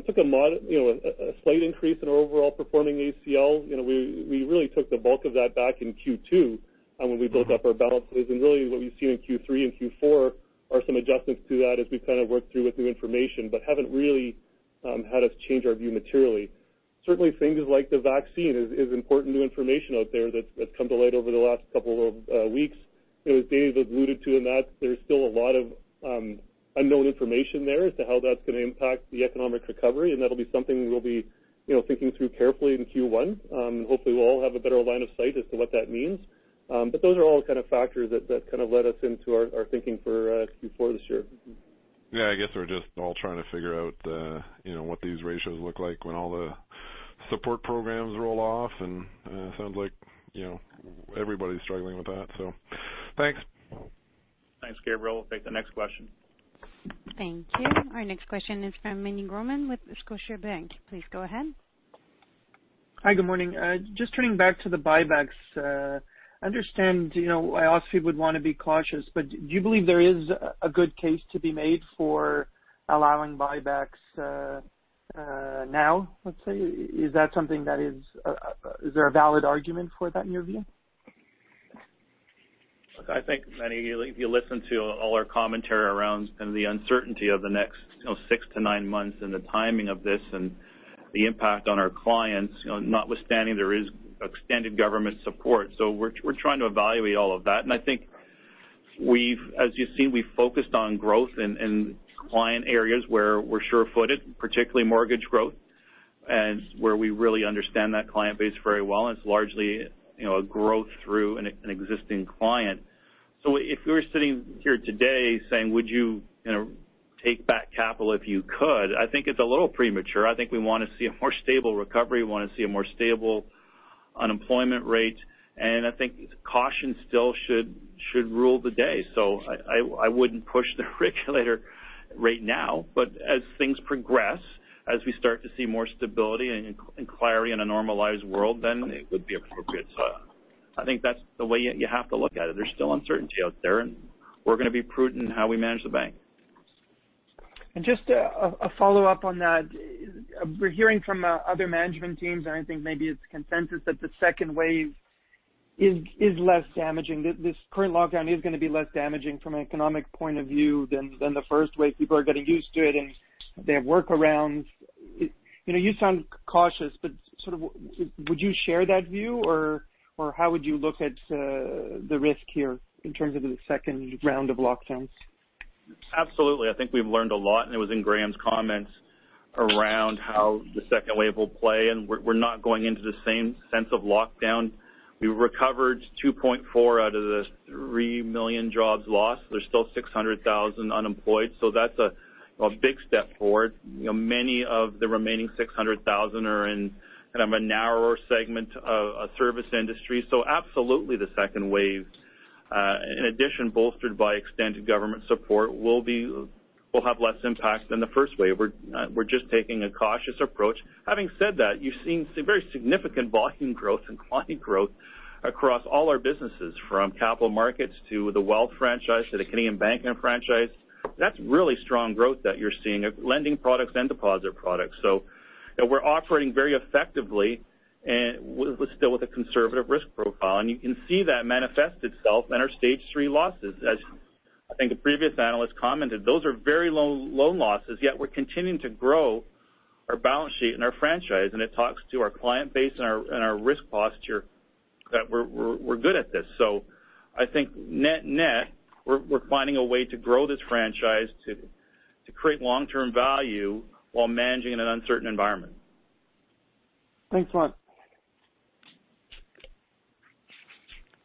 took a slight increase in our overall performing ACL. We really took the bulk of that back in Q2 when we built up our balances. Really what we've seen in Q3 and Q4 are some adjustments to that as we've kind of worked through with new information but haven't really had us change our view materially. Certainly things like the vaccine is important new information out there that's come to light over the last couple of weeks. As Dave has alluded to in that, there's still a lot of unknown information there as to how that's going to impact the economic recovery, and that'll be something we'll be thinking through carefully in Q1. Hopefully we'll all have a better line of sight as to what that means. Those are all kind of factors that kind of led us into our thinking for Q4 this year.
Yeah, I guess we're just all trying to figure out what these ratios look like when all the support programs roll off, and it sounds like everybody's struggling with that. Thanks.
Thanks, Gabriel. We'll take the next question.
Thank you. Our next question is from Meny Grauman with Scotiabank. Please go ahead.
Hi. Good morning. Just turning back to the buybacks. Understand, I obviously would want to be cautious, but do you believe there is a good case to be made for allowing buybacks now, let's say? Is there a valid argument for that in your view?
Look, I think, Meny, if you listen to all our commentary around kind of the uncertainty of the next six to nine months and the timing of this and the impact on our clients, notwithstanding there is extended government support. We're trying to evaluate all of that. I think as you've seen, we've focused on growth in client areas where we're sure-footed, particularly mortgage growth, and where we really understand that client base very well, and it's largely a growth through an existing client. If you were sitting here today saying, would you take back capital if you could? I think it's a little premature. I think we want to see a more stable recovery. We want to see a more stable unemployment rate, and I think caution still should rule the day. I wouldn't push the regulator right now, but as things progress, as we start to see more stability and inquiry in a normalized world, then it would be appropriate. I think that's the way you have to look at it. There's still uncertainty out there, and we're going to be prudent in how we manage the bank.
Just a follow-up on that. We're hearing from other management teams, and I think maybe it's consensus that the second wave is less damaging. This current lockdown is going to be less damaging from an economic point of view than the first wave. People are getting used to it, and they have workarounds. You sound cautious, but sort of would you share that view, or how would you look at the risk here in terms of the second round of lockdowns?
Absolutely. I think we've learned a lot. It was in Graeme's comments around how the second wave will play. We're not going into the same sense of lockdown. We recovered 2.4 out of the 3 million jobs lost. There's still 600,000 unemployed. That's a big step forward. Many of the remaining 600,000 are in kind of a narrower segment of service industry. Absolutely the second wave, in addition, bolstered by extended government support, will have less impact than the first wave. We're just taking a cautious approach. Having said that, you've seen some very significant volume growth and client growth across all our businesses, from Capital Markets to the Wealth franchise to the Canadian Banking franchise. That's really strong growth that you're seeing, lending products and deposit products. We're operating very effectively and still with a conservative risk profile. You can see that manifest itself in our Stage 3 losses. As I think the previous analyst commented, those are very low loan losses, yet we're continuing to grow our balance sheet and our franchise, and it talks to our client base and our risk posture that we're good at this. I think net-net, we're finding a way to grow this franchise to create long-term value while managing in an uncertain environment.
Thanks a lot.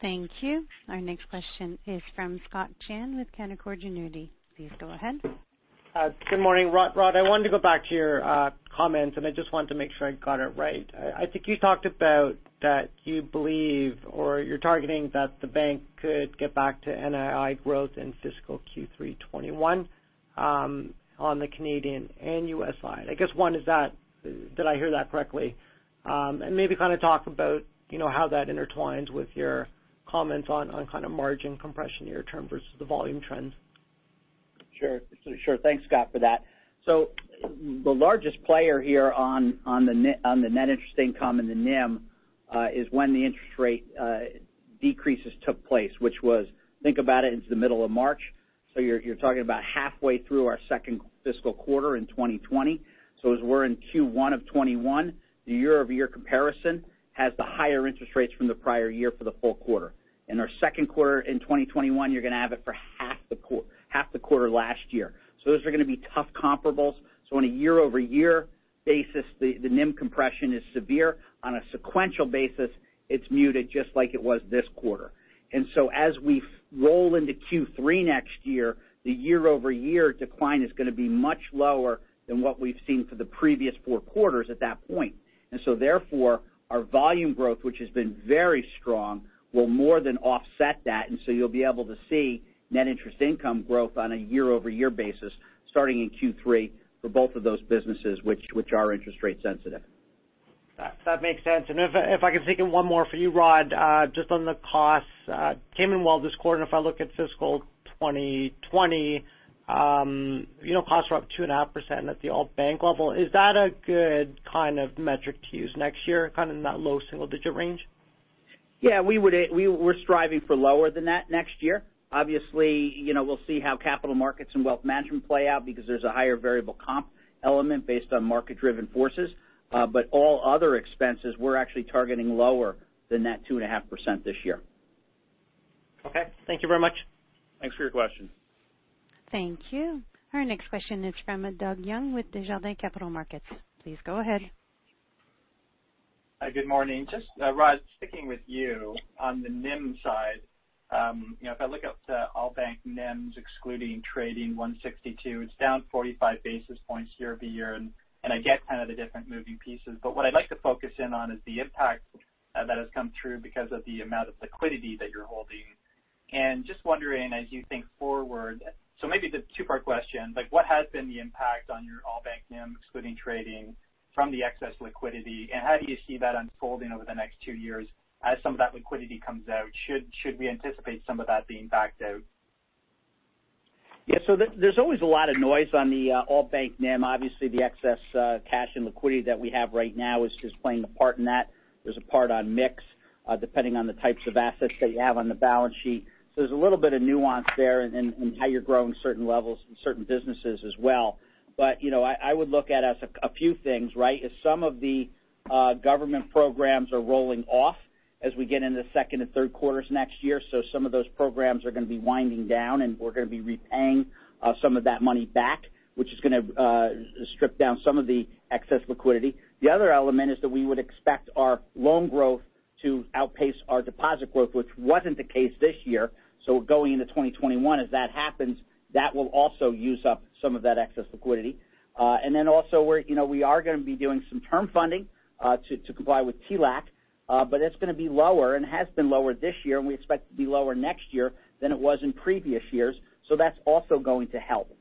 Thank you. Our next question is from Scott Chan with Canaccord Genuity. Please go ahead.
Good morning, Rod. Rod, I wanted to go back to your comments. I just wanted to make sure I got it right. I think you talked about that you believe or you're targeting that the bank could get back to NII growth in fiscal Q3 2021 on the Canadian and U.S. side. I guess one is that, did I hear that correctly? Maybe kind of talk about how that intertwines with your comments on kind of margin compression near term versus the volume trends.
Sure. Thanks, Scott, for that. The largest player here on the net interest income and the NIM is when the interest rate decreases took place, which was, think about it, into the middle of March. You're talking about halfway through our second fiscal quarter in 2020. As we're in Q1 of 2021, the year-over-year comparison has the higher interest rates from the prior year for the full quarter. In our second quarter in 2021, you're going to have it for half the quarter last year. Those are going to be tough comparables. On a year-over-year basis, the NIM compression is severe. On a sequential basis, it's muted just like it was this quarter. As we roll into Q3 next year, the year-over-year decline is going to be much lower than what we've seen for the previous four quarters at that point. Therefore, our volume growth, which has been very strong, will more than offset that. You'll be able to see net interest income growth on a year-over-year basis starting in Q3 for both of those businesses, which are interest rate sensitive.
That makes sense. If I can sneak in one more for you, Rod, just on the costs. Came in well this quarter, and if I look at fiscal 2020, costs are up 2.5% at the all-bank level. Is that a good kind of metric to use next year, kind of in that low single-digit range?
Yeah, we're striving for lower than that next year. Obviously, we'll see how Capital Markets and Wealth Management play out because there's a higher variable comp element based on market-driven forces. All other expenses, we're actually targeting lower than that 2.5% this year.
Okay. Thank you very much.
Thanks for your question.
Thank you. Our next question is from Doug Young with Desjardins Capital Markets. Please go ahead.
Hi, good morning. Just, Rod, sticking with you on the NIM side. If I look up to all-bank NIMs excluding trading 162, it's down 45 basis points year-over-year. I get kind of the different moving pieces. What I'd like to focus in on is the impact that has come through because of the amount of liquidity that you're holding. Just wondering as you think forward. Maybe it's a two-part question. What has been the impact on your all-bank NIM excluding trading from the excess liquidity, and how do you see that unfolding over the next two years as some of that liquidity comes out? Should we anticipate some of that being backed out?
Yeah. There's always a lot of noise on the all-bank NIM. Obviously, the excess cash and liquidity that we have right now is just playing a part in that. There's a part on mix depending on the types of assets that you have on the balance sheet. There's a little bit of nuance there in how you're growing certain levels in certain businesses as well. I would look at as a few things, right? As some of the government programs are rolling off as we get into the second and third quarters next year. Some of those programs are going to be winding down, and we're going to be repaying some of that money back, which is going to strip down some of the excess liquidity. The other element is that we would expect our loan growth to outpace our deposit growth, which wasn't the case this year. Going into 2021, as that happens, that will also use up some of that excess liquidity. We are going to be doing some term funding to comply with TLAC but it's going to be lower and has been lower this year, and we expect to be lower next year than it was in previous years. That's also going to help.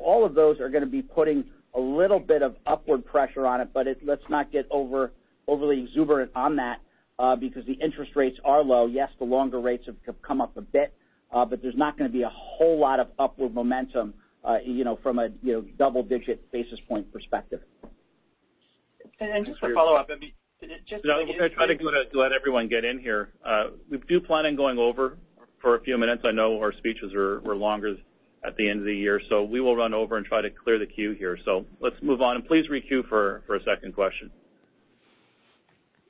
All of those are going to be putting a little bit of upward pressure on it, but let's not get overly exuberant on that because the interest rates are low. Yes, the longer rates have come up a bit. There's not going to be a whole lot of upward momentum from a double-digit basis point perspective.
Just for follow-up, I mean.
I'm going to try to let everyone get in here. We do plan on going over for a few minutes. I know our speeches were longer at the end of the year, we will run over and try to clear the queue here. Let's move on, please re-queue for a second question.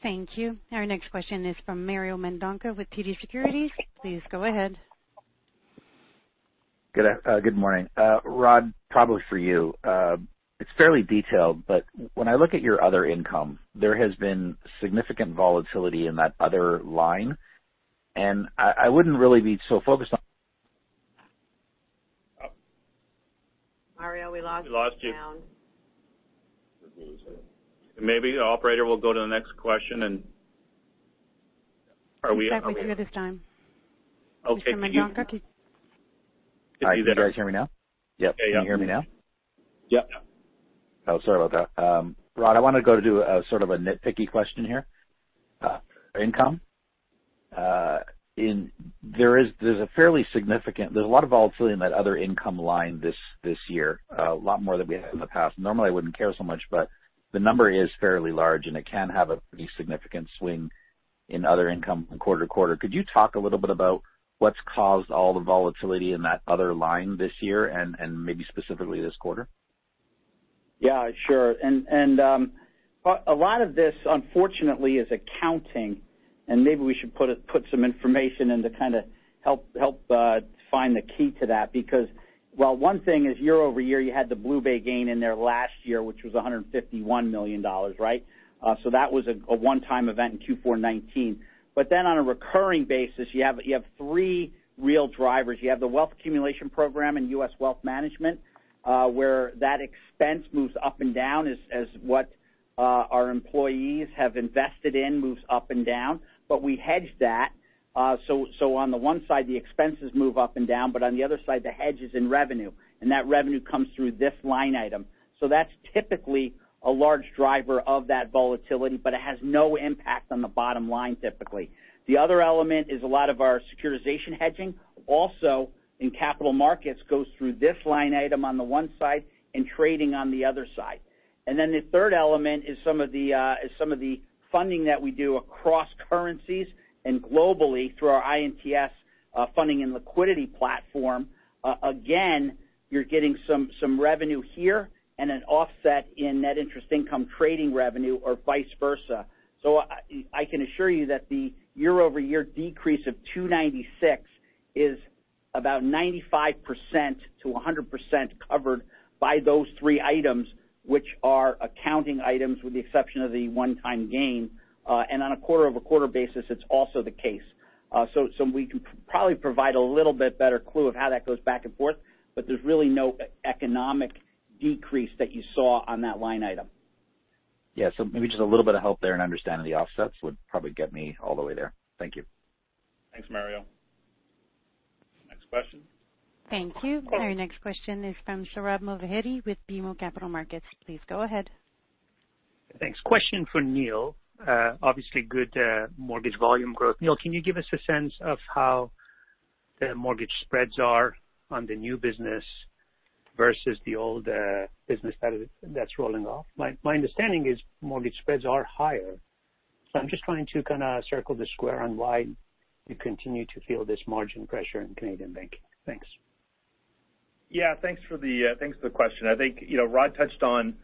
Thank you. Our next question is from Mario Mendonca with TD Securities. Please go ahead.
Good morning. Rod, probably for you. It's fairly detailed, but when I look at your other income, there has been significant volatility in that other line.
Mario, we lost you.
We lost you. Maybe the operator will go to the next question.
I think we do this time.
Okay.
Mr. Mendonca.
All right. You guys hear me now?
Yeah.
Can you hear me now?
Yep.
Oh, sorry about that. Rod, I want to go to sort of a nitpicky question here. Income. There's a lot of volatility in that other income line this year. A lot more than we had in the past. Normally, I wouldn't care so much, but the number is fairly large, and it can have a pretty significant swing in other income from quarter to quarter. Could you talk a little bit about what's caused all the volatility in that other line this year and maybe specifically this quarter?
Yeah, sure. A lot of this, unfortunately, is accounting. Maybe we should put some information in to kind of help find the key to that because while one thing is year-over-year, you had the BlueBay gain in there last year, which was 151 million dollars, right? That was a one-time event in Q4 2019. On a recurring basis, you have three real drivers. You have the wealth accumulation program in U.S. Wealth Management where that expense moves up and down as what our employees have invested in moves up and down. We hedge that. On the one side, the expenses move up and down, but on the other side, the hedge is in revenue, and that revenue comes through this line item. That's typically a large driver of that volatility, but it has no impact on the bottom line typically. The other element is a lot of our securitization hedging also in Capital Markets goes through this line item on the one side and trading on the other side. Then the third element is some of the funding that we do across currencies and globally through our I&TS funding and liquidity platform. Again, you're getting some revenue here and an offset in net interest income trading revenue or vice versa. I can assure you that the year-over-year decrease of 296 is about 95%-100% covered by those three items, which are accounting items with the exception of the one-time gain. On a quarter-over-quarter basis, it's also the case. We can probably provide a little bit better clue of how that goes back and forth, there's really no economic decrease that you saw on that line item.
Yeah. Maybe just a little bit of help there in understanding the offsets would probably get me all the way there. Thank you.
Thanks, Mario. Next question.
Thank you. Our next question is from Sohrab Movahedi with BMO Capital Markets. Please go ahead.
Thanks. Question for Neil. Obviously good mortgage volume growth. Neil, can you give us a sense of how the mortgage spreads are on the new business versus the old business that's rolling off? My understanding is mortgage spreads are higher. I'm just trying to kind of circle the square on why you continue to feel this margin pressure in Canadian banking. Thanks.
Yeah, thanks for the question. I think Rod touched on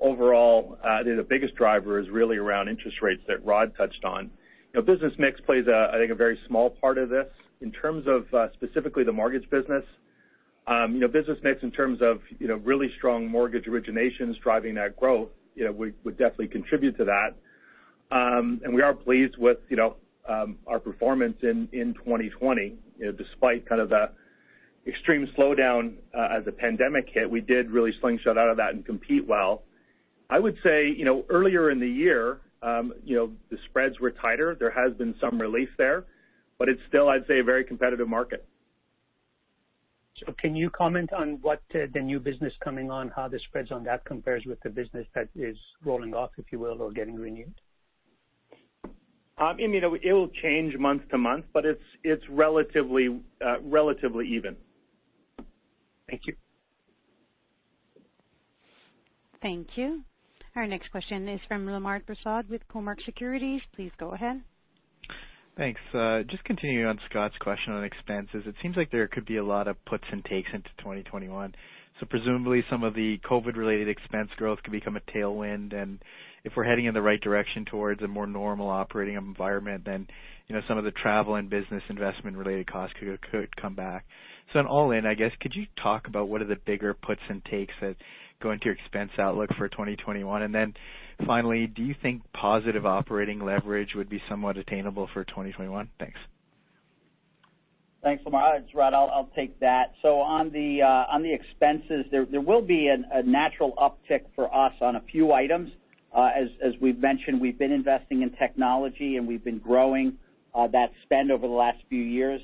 overall, the biggest driver is really around interest rates that Rod touched on. Business mix plays, I think, a very small part of this. In terms of specifically the mortgage business mix in terms of really strong mortgage originations driving that growth would definitely contribute to that. We are pleased with our performance in 2020. Despite kind of the extreme slowdown as the pandemic hit, we did really slingshot out of that and compete well. I would say, earlier in the year the spreads were tighter. There has been some relief there, but it's still, I'd say, a very competitive market.
Can you comment on what the new business coming on, how the spreads on that compares with the business that is rolling off, if you will, or getting renewed?
It will change month to month, but it's relatively even.
Thank you.
Thank you. Our next question is from Lemar Persaud with Cormark Securities. Please go ahead.
Thanks. Just continuing on Scott's question on expenses. It seems like there could be a lot of puts and takes into 2021. Presumably some of the COVID-related expense growth could become a tailwind. If we're heading in the right direction towards a more normal operating environment, some of the travel and business investment-related costs could come back. In all in, I guess, could you talk about what are the bigger puts and takes that go into your expense outlook for 2021? Finally, do you think positive operating leverage would be somewhat attainable for 2021? Thanks.
Thanks, Lemar. It's Rod, I'll take that. On the expenses, there will be a natural uptick for us on a few items. As we've mentioned, we've been investing in technology, and we've been growing that spend over the last few years.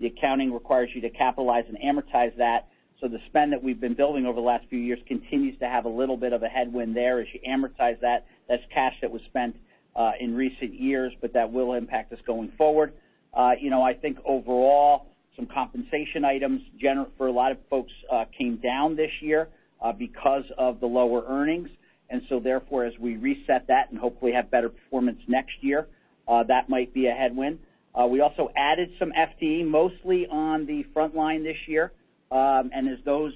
The accounting requires you to capitalize and amortize that. The spend that we've been building over the last few years continues to have a little bit of a headwind there as you amortize that. That's cash that was spent in recent years, that will impact us going forward. I think overall, some compensation items for a lot of folks came down this year because of the lower earnings. Therefore, as we reset that and hopefully have better performance next year, that might be a headwind. We also added some FTE mostly on the front line this year. As those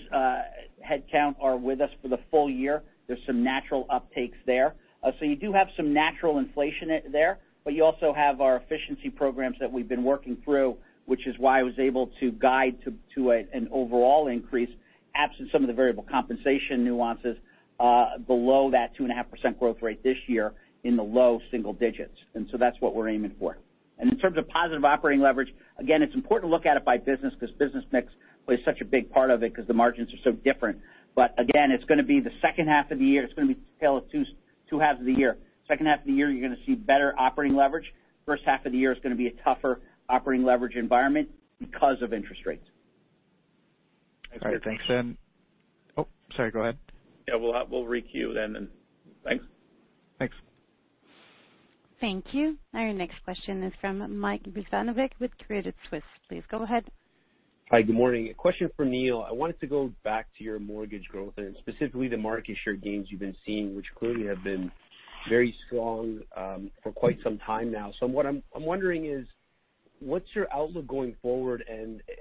headcount are with us for the full year, there's some natural uptakes there. You do have some natural inflation there. You also have our efficiency programs that we've been working through, which is why I was able to guide to an overall increase, absent some of the variable compensation nuances below that 2.5% growth rate this year in the low single digits. That's what we're aiming for. In terms of positive operating leverage, again, it's important to look at it by business because business mix plays such a big part of it because the margins are so different. Again, it's going to be the second half of the year. It's going to be tale of two halves of the year. Second half of the year, you're going to see better operating leverage. First half of the year is going to be a tougher operating leverage environment because of interest rates.
All right, thanks. Oh, sorry, go ahead.
Yeah, we'll re-queue then. Thanks.
Thanks.
Thank you. Our next question is from Mike Rizvanovic with Credit Suisse. Please go ahead.
Hi, good morning. A question for Neil. I wanted to go back to your mortgage growth and specifically the market share gains you've been seeing, which clearly have been very strong for quite some time now. What I'm wondering is what's your outlook going forward?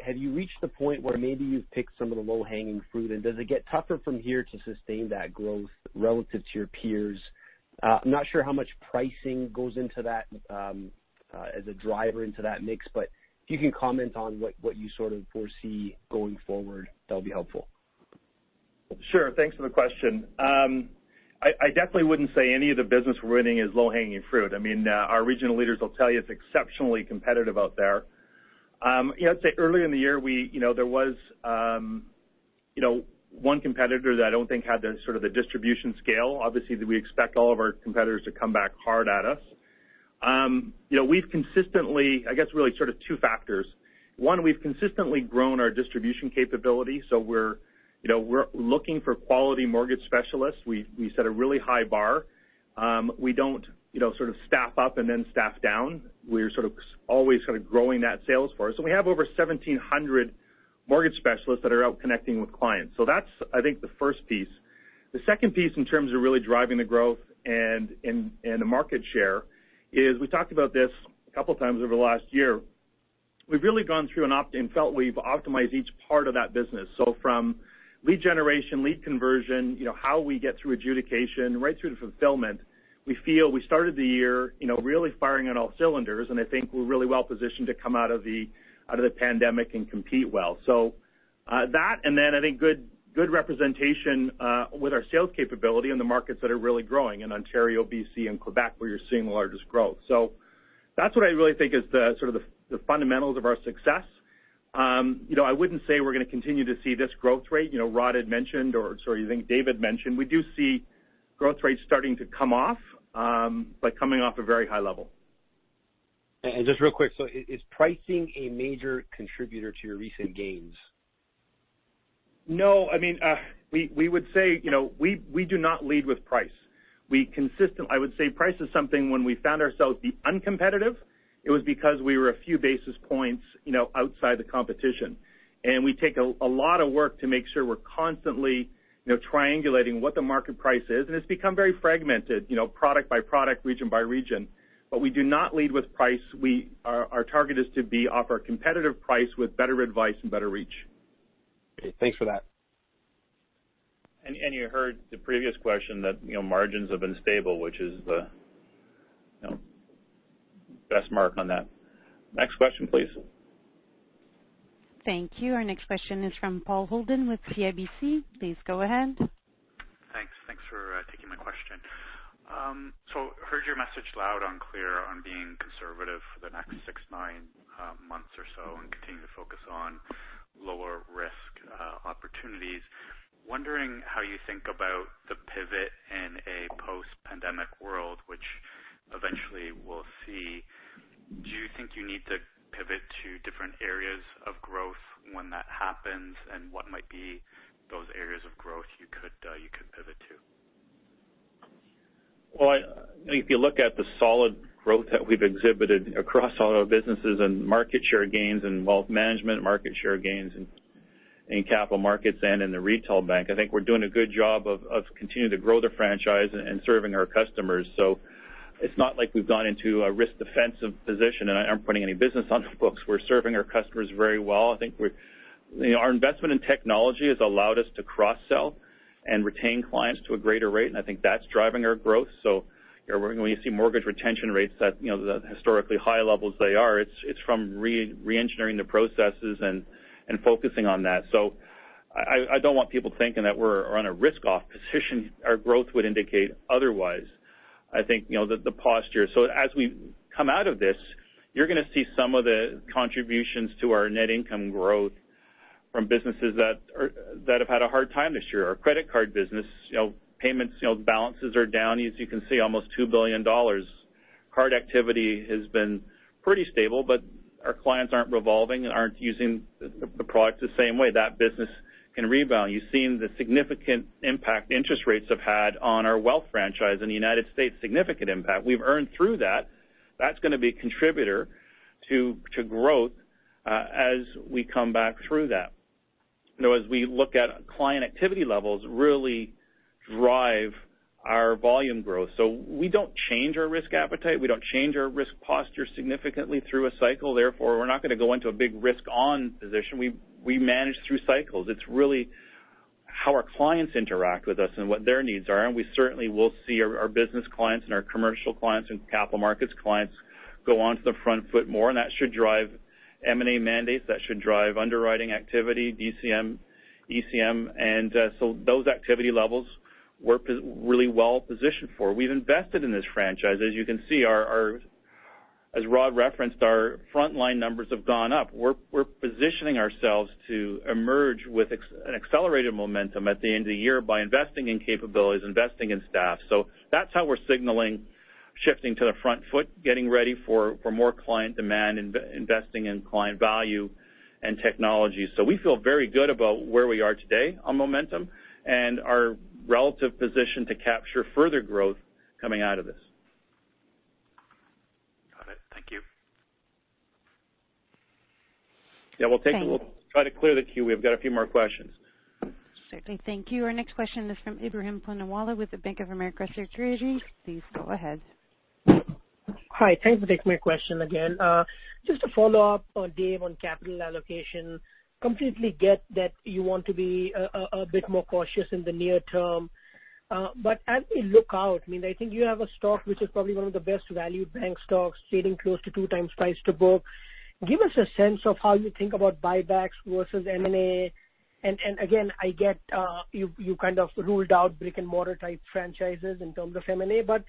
Have you reached the point where maybe you've picked some of the low-hanging fruit? Does it get tougher from here to sustain that growth relative to your peers? I'm not sure how much pricing goes into that as a driver into that mix, but if you can comment on what you sort of foresee going forward, that'll be helpful.
Sure. Thanks for the question. I definitely wouldn't say any of the business we're winning is low-hanging fruit. I mean, our regional leaders will tell you it's exceptionally competitive out there. I'd say earlier in the year, there was one competitor that I don't think had the sort of the distribution scale. Obviously, we expect all of our competitors to come back hard at us. We've consistently, I guess really sort of two factors. One, we've consistently grown our distribution capability. We're looking for quality mortgage specialists. We set a really high bar. We don't sort of staff up and then staff down. We're sort of always sort of growing that sales force. We have over 1,700 mortgage specialists that are out connecting with clients. That's I think the first piece. The second piece in terms of really driving the growth and the market share is we talked about this a couple times over the last year. We've really gone through and felt we've optimized each part of that business, from lead generation, lead conversion, how we get through adjudication, right through to fulfillment. We feel we started the year really firing on all cylinders, and I think we're really well positioned to come out of the pandemic and compete well. That, and then I think good representation with our sales capability in the markets that are really growing in Ontario, B.C., and Quebec, where you're seeing the largest growth. That's what I really think is sort of the fundamentals of our success. I wouldn't say we're going to continue to see this growth rate. Rod had mentioned, or sorry, I think Dave mentioned we do see growth rates starting to come off, but coming off a very high level.
Just real quick, is pricing a major contributor to your recent gains?
No. We do not lead with price. I would say price is something when we found ourselves be uncompetitive, it was because we were a few basis points outside the competition. We take a lot of work to make sure we're constantly triangulating what the market price is. It's become very fragmented, product by product, region by region. We do not lead with price. Our target is to offer a competitive price with better advice and better reach.
Okay. Thanks for that.
You heard the previous question that margins have been stable, which is the best mark on that. Next question, please.
Thank you. Our next question is from Paul Holden with CIBC. Please go ahead.
Thanks for taking my question. Heard your message loud and clear on being conservative for the next six, nine months or so, and continuing to focus on lower risk opportunities. Wondering how you think about the pivot in a post-pandemic world, which eventually we'll see. Do you think you need to pivot to different areas of growth when that happens? What might be those areas of growth you could pivot to?
If you look at the solid growth that we've exhibited across all our businesses and market share gains in Wealth Management, market share gains in Capital Markets and in the retail bank, I think we're doing a good job of continuing to grow the franchise and serving our customers. It's not like we've gone into a risk-defensive position, and I aren't putting any business on the books. We're serving our customers very well. I think our investment in technology has allowed us to cross-sell and retain clients to a greater rate, and I think that's driving our growth. When you see mortgage retention rates at the historically high levels they are, it's from re-engineering the processes and focusing on that. I don't want people thinking that we're on a risk-off position. Our growth would indicate otherwise. As we come out of this, you're going to see some of the contributions to our net income growth from businesses that have had a hard time this year. Our credit card business payments balances are down, as you can see, almost 2 billion dollars. Card activity has been pretty stable, but our clients aren't revolving and aren't using the product the same way. That business can rebound. You've seen the significant impact interest rates have had on our wealth franchise in the U.S. Significant impact. We've earned through that. That's going to be a contributor to growth as we come back through that. As we look at client activity levels really drive our volume growth. We don't change our risk appetite. We don't change our risk posture significantly through a cycle. Therefore, we're not going to go into a big risk-on position. We manage through cycles. It's really how our clients interact with us and what their needs are. We certainly will see our business clients and our commercial clients and capital markets clients go onto the front foot more, and that should drive M&A mandates. That should drive underwriting activity, DCM, ECM. Those activity levels we're really well positioned for. We've invested in this franchise. As you can see, as Rod referenced, our frontline numbers have gone up. We're positioning ourselves to emerge with an accelerated momentum at the end of the year by investing in capabilities, investing in staff. That's how we're signaling shifting to the front foot, getting ready for more client demand, investing in client value and technology. We feel very good about where we are today on momentum and our relative position to capture further growth coming out of this.
Got it. Thank you.
Yeah, we'll try to clear the queue. We've got a few more questions.
Certainly. Thank you. Our next question is from Ebrahim Poonawala with the Bank of America Securities. Please go ahead.
Hi. Thanks for taking my question again. Just a follow-up on Dave on capital allocation. Completely get that you want to be a bit more cautious in the near term. As we look out, I think you have a stock which is probably one of the best valued bank stocks, trading close to 2x price to book. Give us a sense of how you think about buybacks versus M&A. Again, I get you kind of ruled out brick-and-mortar type franchises in terms of M&A, but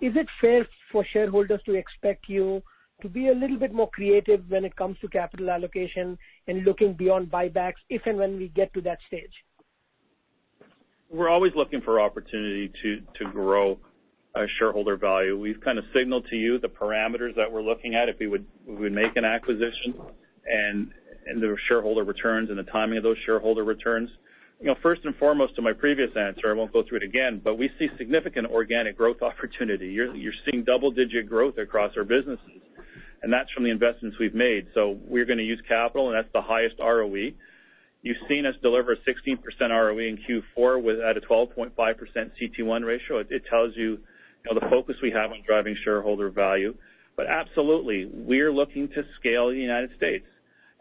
is it fair for shareholders to expect you to be a little bit more creative when it comes to capital allocation and looking beyond buybacks, if and when we get to that stage?
We're always looking for opportunity to grow shareholder value. We've kind of signaled to you the parameters that we're looking at if we would make an acquisition and the shareholder returns and the timing of those shareholder returns. First and foremost to my previous answer, I won't go through it again. We see significant organic growth opportunity. You're seeing double-digit growth across our businesses, and that's from the investments we've made. We're going to use capital, and that's the highest ROE. You've seen us deliver a 16% ROE in Q4 at a 12.5% CET1 ratio. It tells you the focus we have on driving shareholder value. Absolutely, we're looking to scale the United States,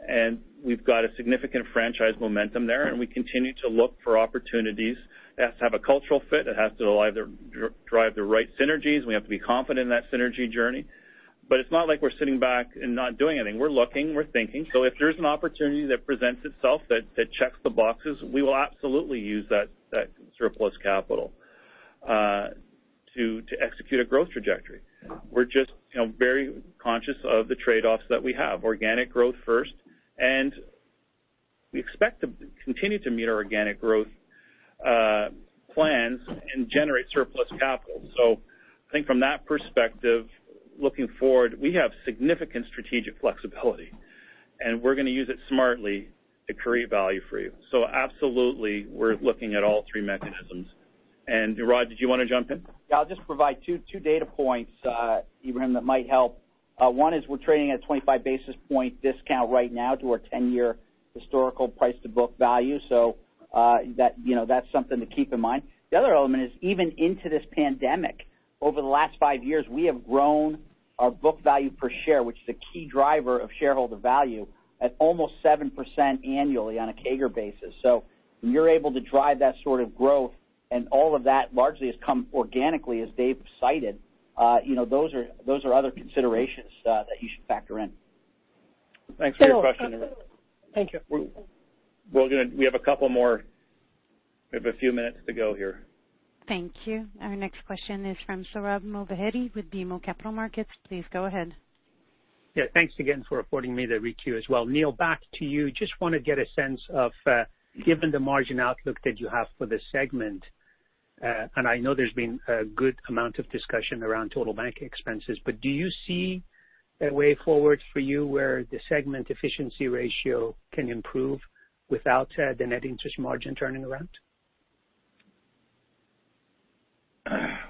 and we've got a significant franchise momentum there, and we continue to look for opportunities. It has to have a cultural fit. It has to drive the right synergies, and we have to be confident in that synergy journey. It's not like we're sitting back and not doing anything. We're looking, we're thinking. If there's an opportunity that presents itself that checks the boxes, we will absolutely use that surplus capital to execute a growth trajectory. We're just very conscious of the trade-offs that we have. Organic growth first. We expect to continue to meet our organic growth plans and generate surplus capital. I think from that perspective, looking forward, we have significant strategic flexibility, and we're going to use it smartly to create value for you. Absolutely, we're looking at all three mechanisms. Rod, did you want to jump in?
Yeah, I'll just provide two data points, Ebrahim, that might help. One is we're trading at a 25-basis-point discount right now to our 10-year historical price-to-book value. That's something to keep in mind. The other element is, even into this pandemic, over the last five years, we have grown our book value per share, which is a key driver of shareholder value, at almost 7% annually on a CAGR basis. When you're able to drive that sort of growth and all of that largely has come organically, as Dave cited, those are other considerations that you should factor in.
Thanks for your question, Ebrahim.
Thank you.
We have a couple more. We have a few minutes to go here.
Thank you. Our next question is from Sohrab Movahedi with BMO Capital Markets. Please go ahead.
Yeah. Thanks again for affording me the requeue as well. Neil, back to you. Just want to get a sense of, given the margin outlook that you have for the segment, and I know there's been a good amount of discussion around total bank expenses, but do you see a way forward for you where the segment efficiency ratio can improve without the net interest margin turning around?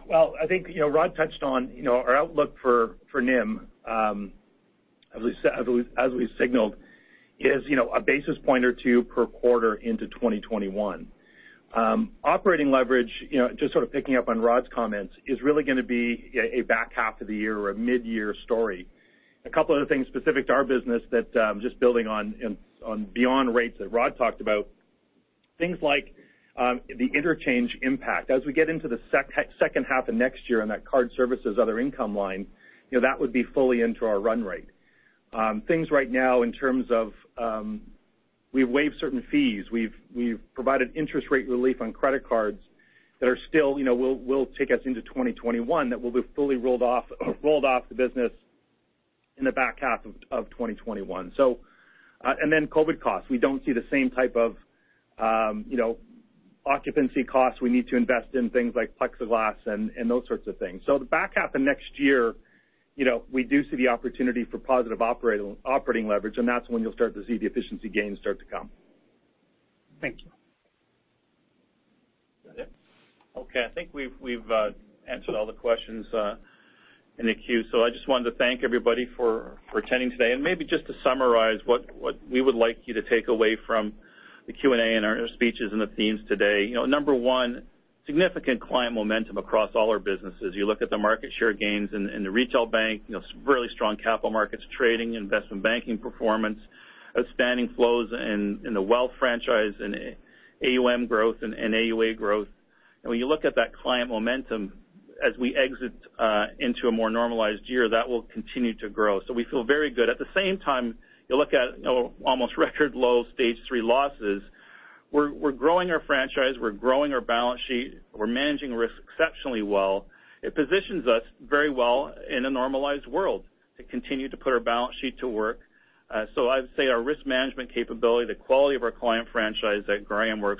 Well, I think Rod touched on our outlook for NIM, as we signaled, is a basis point or two per quarter into 2021. Operating leverage, just sort of picking up on Rod's comments, is really going to be a back half of the year or a mid-year story. A couple other things specific to our business that, just building on beyond rates that Rod talked about, things like the interchange impact. As we get into the second half of next year on that card services other income line, that would be fully into our run rate. Things right now in terms of we've waived certain fees. We've provided interest rate relief on credit cards that will take us into 2021 that will be fully rolled off the business in the back half of 2021. And then COVID costs. We don't see the same type of occupancy costs we need to invest in things like plexiglass and those sorts of things. The back half of next year, we do see the opportunity for positive operating leverage, and that's when you'll start to see the efficiency gains start to come.
Thank you.
Is that it? I think we've answered all the questions in the queue. I just wanted to thank everybody for attending today, and maybe just to summarize what we would like you to take away from the Q&A and our speeches and the themes today. Number one, significant client momentum across all our businesses. You look at the market share gains in the retail bank, really strong Capital Markets trading, investment banking performance, outstanding flows in the wealth franchise, and AUM growth and AUA growth. When you look at that client momentum as we exit into a more normalized year, that will continue to grow. We feel very good. At the same time, you look at almost record low Stage 3 losses. We're growing our franchise. We're growing our balance sheet. We're managing risk exceptionally well. It positions us very well in a normalized world to continue to put our balance sheet to work. I'd say our risk management capability, the quality of our client franchise at Graham work.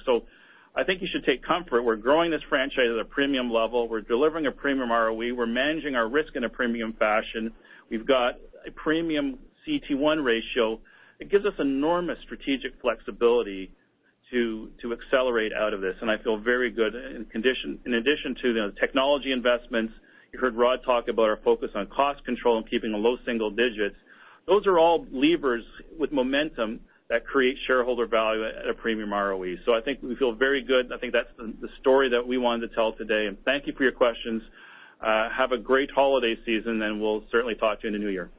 I think you should take comfort. We're growing this franchise at a premium level. We're delivering a premium ROE. We're managing our risk in a premium fashion. We've got a premium CET1 ratio. It gives us enormous strategic flexibility to accelerate out of this, and I feel very good. In addition to the technology investments, you heard Rod talk about our focus on cost control and keeping the low single digits. Those are all levers with momentum that create shareholder value at a premium ROE. I think we feel very good, and I think that's the story that we wanted to tell today, and thank you for your questions. Have a great holiday season, and we'll certainly talk to you in the new year.